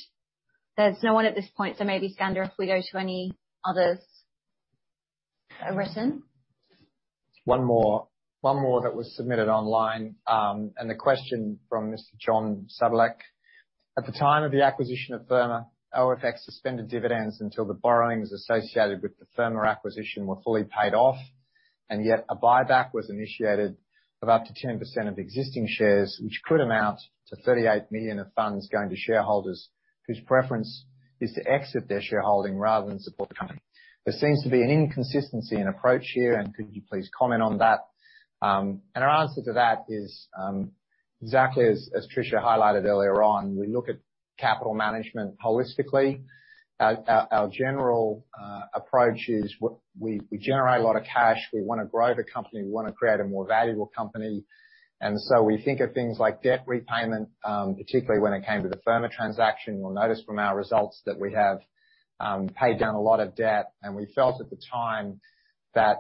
There's no one at this point, so maybe, Skander, if we go to any others that are written. One more. One more that was submitted online. The question from Mr. John Szablatzky. At the time of the acquisition of Firma, OFX suspended dividends until the borrowings associated with the Firma acquisition were fully paid off, and yet a buyback was initiated of up to 10% of existing shares, which could amount to 38 million of funds going to shareholders whose preference is to exit their shareholding rather than support the company. There seems to be an inconsistency in approach here, and could you please comment on that? Our answer to that is exactly as, as Patricia highlighted earlier on, we look at capital management holistically. Our, our, our general approach is w-we, we generate a lot of cash. We want to grow the company. We want to create a more valuable company. We think of things like debt repayment, particularly when it came to the Firma transaction. You'll notice from our results that we have paid down a lot of debt, and we felt at the time that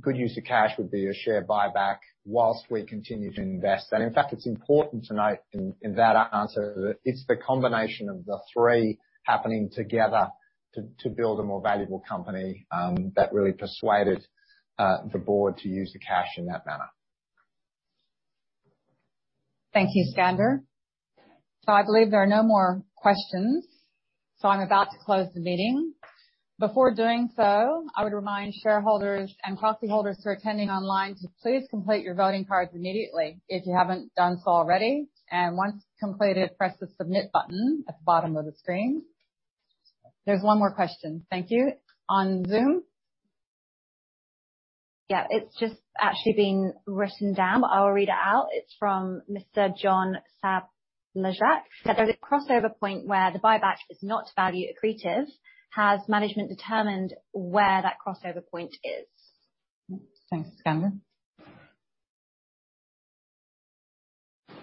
good use of cash would be a share buyback whilst we continue to invest. In fact, it's important to note in, in that answer that it's the combination of the three happening together to, to build a more valuable company that really persuaded the board to use the cash in that manner. Thank you, Skander. I believe there are no more questions, so I'm about to close the meeting. Before doing so, I would remind shareholders and proxy holders who are attending online to please complete your voting cards immediately if you haven't done so already, and once completed, press the Submit button at the bottom of the screen. There's one more question, thank you. On Zoom? Yeah, it's just actually been written down. I'll read it out. It's from Mr. John Sablazack, that there's a crossover point where the buyback is not value accretive. Has management determined where that crossover point is? Thanks. Skander?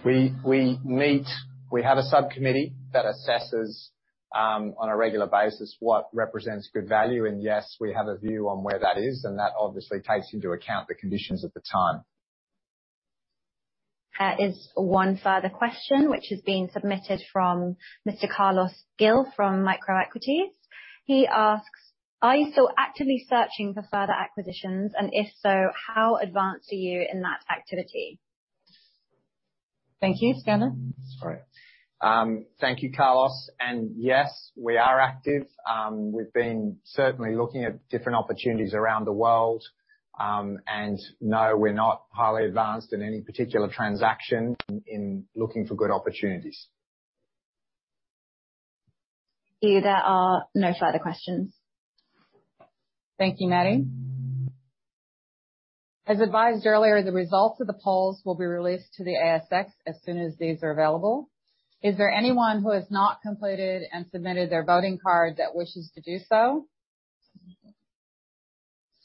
We have a subcommittee that assesses on a regular basis, what represents good value, and yes, we have a view on where that is, and that obviously takes into account the conditions at the time. There is one further question which has been submitted from Mr. Carlos Gil, from Microequities. He asks: Are you still actively searching for further acquisitions, and if so, how advanced are you in that activity? Thank you. Skander? Sorry. Thank you, Carlos, and yes, we are active. We've been certainly looking at different opportunities around the world. No, we're not highly advanced in any particular transaction in, in looking for good opportunities. There are no further questions. Thank you, Maddie. As advised earlier, the results of the polls will be released to the ASX as soon as these are available. Is there anyone who has not completed and submitted their voting card that wishes to do so?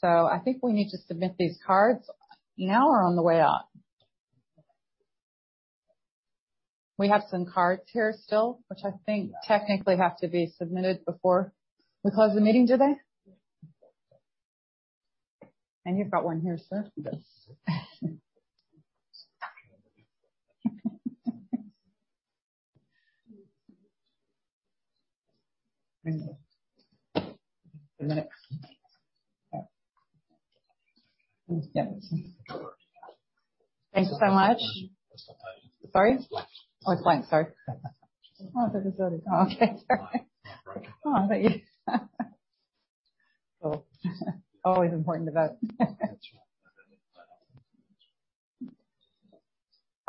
I think we need to submit these cards now or on the way out. We have some cards here still, which I think technically have to be submitted before we close the meeting, do they? You've got one here, sir. Yes. Thank you. Thank you so much. Sorry. Sorry? Blank. Oh, it's blank. Sorry. Oh, I thought it was... Oh, okay. Sorry. Oh, always important to vote.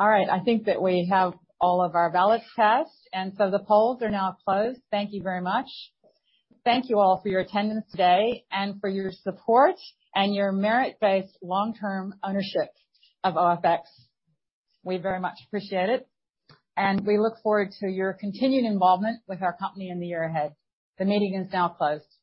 All right, I think that we have all of our ballots cast, and so the polls are now closed. Thank you very much. Thank you all for your attendance today, and for your support, and your merit-based long-term ownership of OFX. We very much appreciate it, and we look forward to your continued involvement with our company in the year ahead. The meeting is now closed.